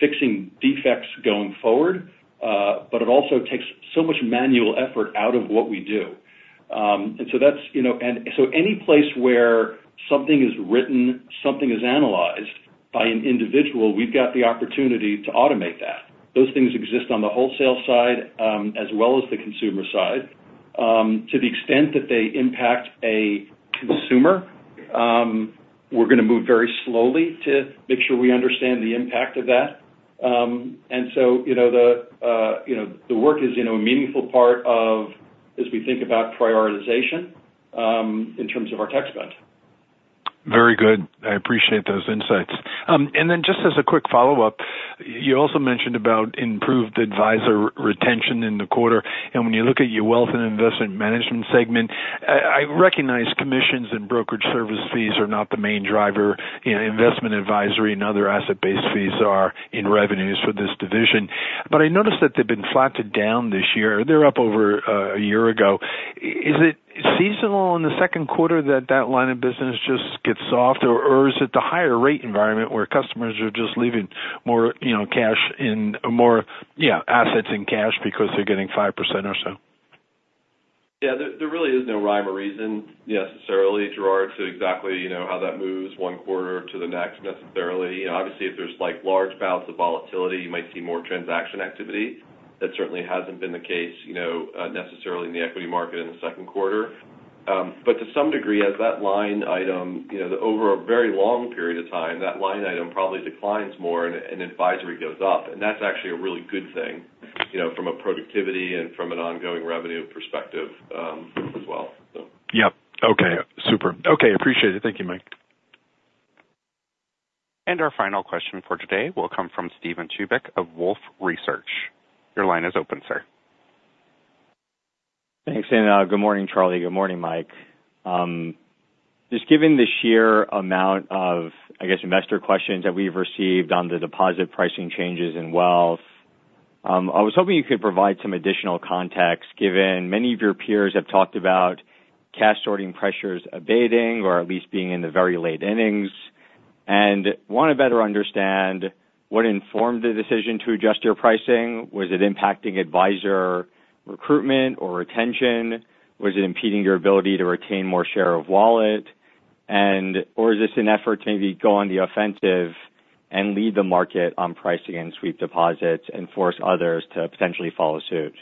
fixing defects going forward, but it also takes so much manual effort out of what we do. And so that's, you know and so any place where something is written, something is analyzed by an individual, we've got the opportunity to automate that. Those things exist on the wholesale side, as well as the consumer side. To the extent that they impact a consumer, we're going to move very slowly to make sure we understand the impact of that. And so, you know, the, you know, the work is, you know, a meaningful part of as we think about prioritization, in terms of our tech spend. Very good. I appreciate those insights. And then just as a quick follow-up, you also mentioned about improved advisor retention in the quarter. And when you look at your Wealth and Investment Management segment, I recognize commissions and brokerage service fees are not the main driver. You know, investment advisory and other asset-based fees are in revenues for this division. But I noticed that they've been flat to down this year. They're up over a year ago. Is it seasonal in the second quarter that that line of business just gets soft, or is it the higher rate environment where customers are just leaving more, you know, cash in more -- yeah, assets and cash because they're getting 5% or so? Yeah, there, there really is no rhyme or reason necessarily, Gerard, to exactly, you know, how that moves one quarter to the next, necessarily. You know, obviously, if there's, like, large bouts of volatility, you might see more transaction activity. That certainly hasn't been the case, you know, necessarily in the equity market in the second quarter. But to some degree, as that line item, you know, over a very long period of time, that line item probably declines more and advisory goes up. That's actually a really good thing, you know, from a productivity and from an ongoing revenue perspective, as well, so. Yeah. Okay. Super. Okay, appreciate it. Thank you, Mike. Our final question for today will come from Steven Chubak of Wolfe Research. Your line is open, sir. Thanks, and good morning, Charlie. Good morning, Mike. Just given the sheer amount of, I guess, investor questions that we've received on the deposit pricing changes in wealth, I was hoping you could provide some additional context, given many of your peers have talked about cash sorting pressures abating, or at least being in the very late innings. Want to better understand what informed the decision to adjust your pricing. Was it impacting advisor recruitment or retention? Was it impeding your ability to retain more share of wallet? Or is this an effort to maybe go on the offensive and lead the market on pricing and sweep deposits and force others to potentially follow suit?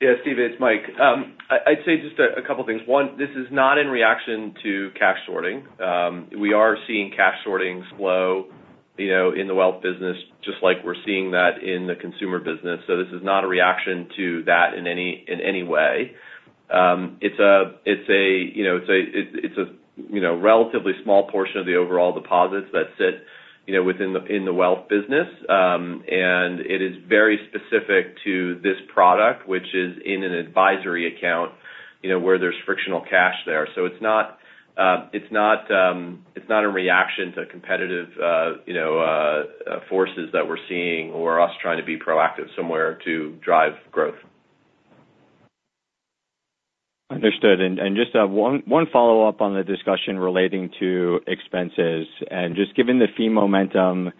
Yeah, Steve, it's Mike. I'd say just a couple things. One, this is not in reaction to cash sorting. We are seeing cash sorting slow, you know, in the wealth business, just like we're seeing that in the consumer business. So this is not a reaction to that in any way. It's a, you know, relatively small portion of the overall deposits that sit, you know, within the wealth business. And it is very specific to this product, which is in an advisory account. You know, where there's frictional cash there. So it's not, it's not, it's not a reaction to competitive, you know, forces that we're seeing or us trying to be proactive somewhere to drive growth. Understood. Just one follow-up on the discussion relating to expenses, and just given the fee momentum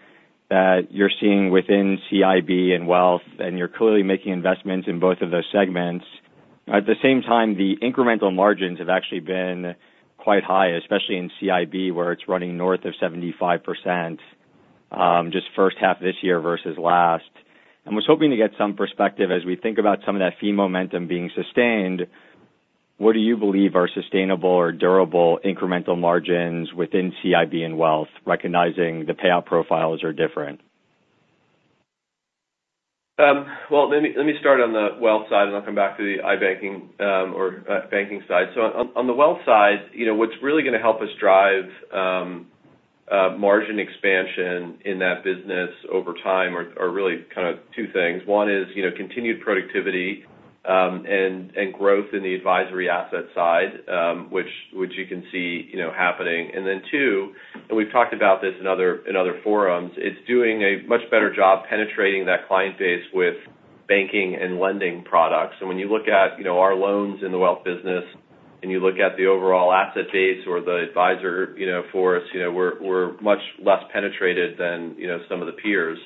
that you're seeing within CIB and Wealth, and you're clearly making investments in both of those segments. At the same time, the incremental margins have actually been quite high, especially in CIB, where it's running north of 75%, just first half this year versus last. I was hoping to get some perspective. As we think about some of that fee momentum being sustained, what do you believe are sustainable or durable incremental margins within CIB and Wealth, recognizing the payout profiles are different? Well, let me start on the wealth side, and I'll come back to the iBanking or banking side. So on the wealth side, you know, what's really gonna help us drive margin expansion in that business over time are really kind of two things. One is, you know, continued productivity and growth in the advisory asset side, which you can see, you know, happening. And then two, and we've talked about this in other forums, it's doing a much better job penetrating that client base with banking and lending products. So when you look at, you know, our loans in the wealth business, and you look at the overall asset base or the advisor, you know, for us, you know, we're much less penetrated than, you know, some of the peers.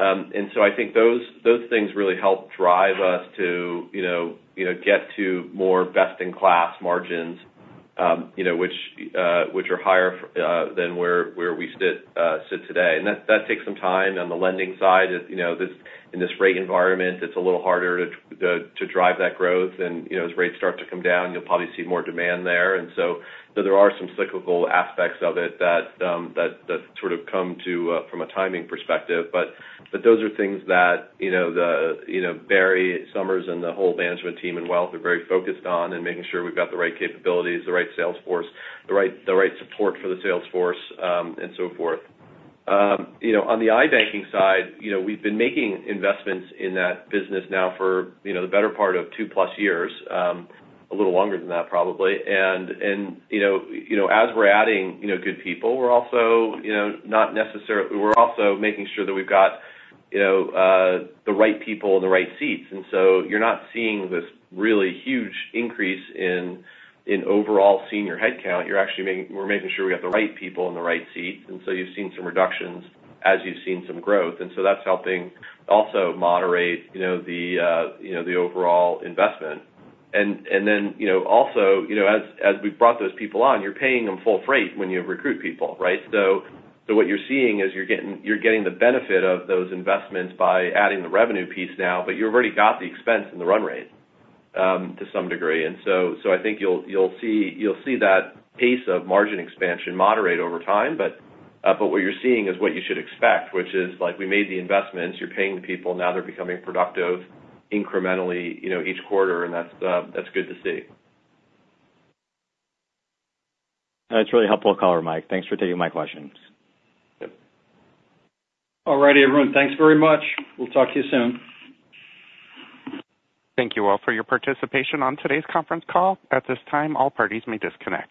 And so I think those, those things really help drive us to, you know, you know, get to more best-in-class margins, you know, which, which are higher than where, where we sit, sit today. And that, that takes some time on the lending side. You know, in this rate environment, it's a little harder to drive that growth. And, you know, as rates start to come down, you'll probably see more demand there. And so there are some cyclical aspects of it that, that, that sort of come to, from a timing perspective. But those are things that, you know, the, you know, Barry Sommers and the whole management team in Wealth are very focused on, and making sure we've got the right capabilities, the right sales force, the right support for the sales force, and so forth. You know, on the iBanking side, you know, we've been making investments in that business now for, you know, the better part of two-plus years, a little longer than that, probably. And, you know, as we're adding, you know, good people, we're also, you know, not necessarily - we're also making sure that we've got, you know, the right people in the right seats. And so you're not seeing this really huge increase in overall senior headcount. You're actually making—we're making sure we have the right people in the right seats, and so you've seen some reductions as you've seen some growth, and so that's helping also moderate, you know, the, you know, the overall investment. And then, you know, also, you know, as we've brought those people on, you're paying them full freight when you recruit people, right? So what you're seeing is you're getting, you're getting the benefit of those investments by adding the revenue piece now, but you've already got the expense in the run rate to some degree. And so I think you'll see that pace of margin expansion moderate over time, but what you're seeing is what you should expect, which is like, we made the investments, you're paying the people, now they're becoming productive incrementally, you know, each quarter, and that's good to see. That's really helpful, color Mike. Thanks for taking my questions. Yep. All righty, everyone, thanks very much. We'll talk to you soon. Thank you all for your participation on today's conference call. At this time, all parties may disconnect.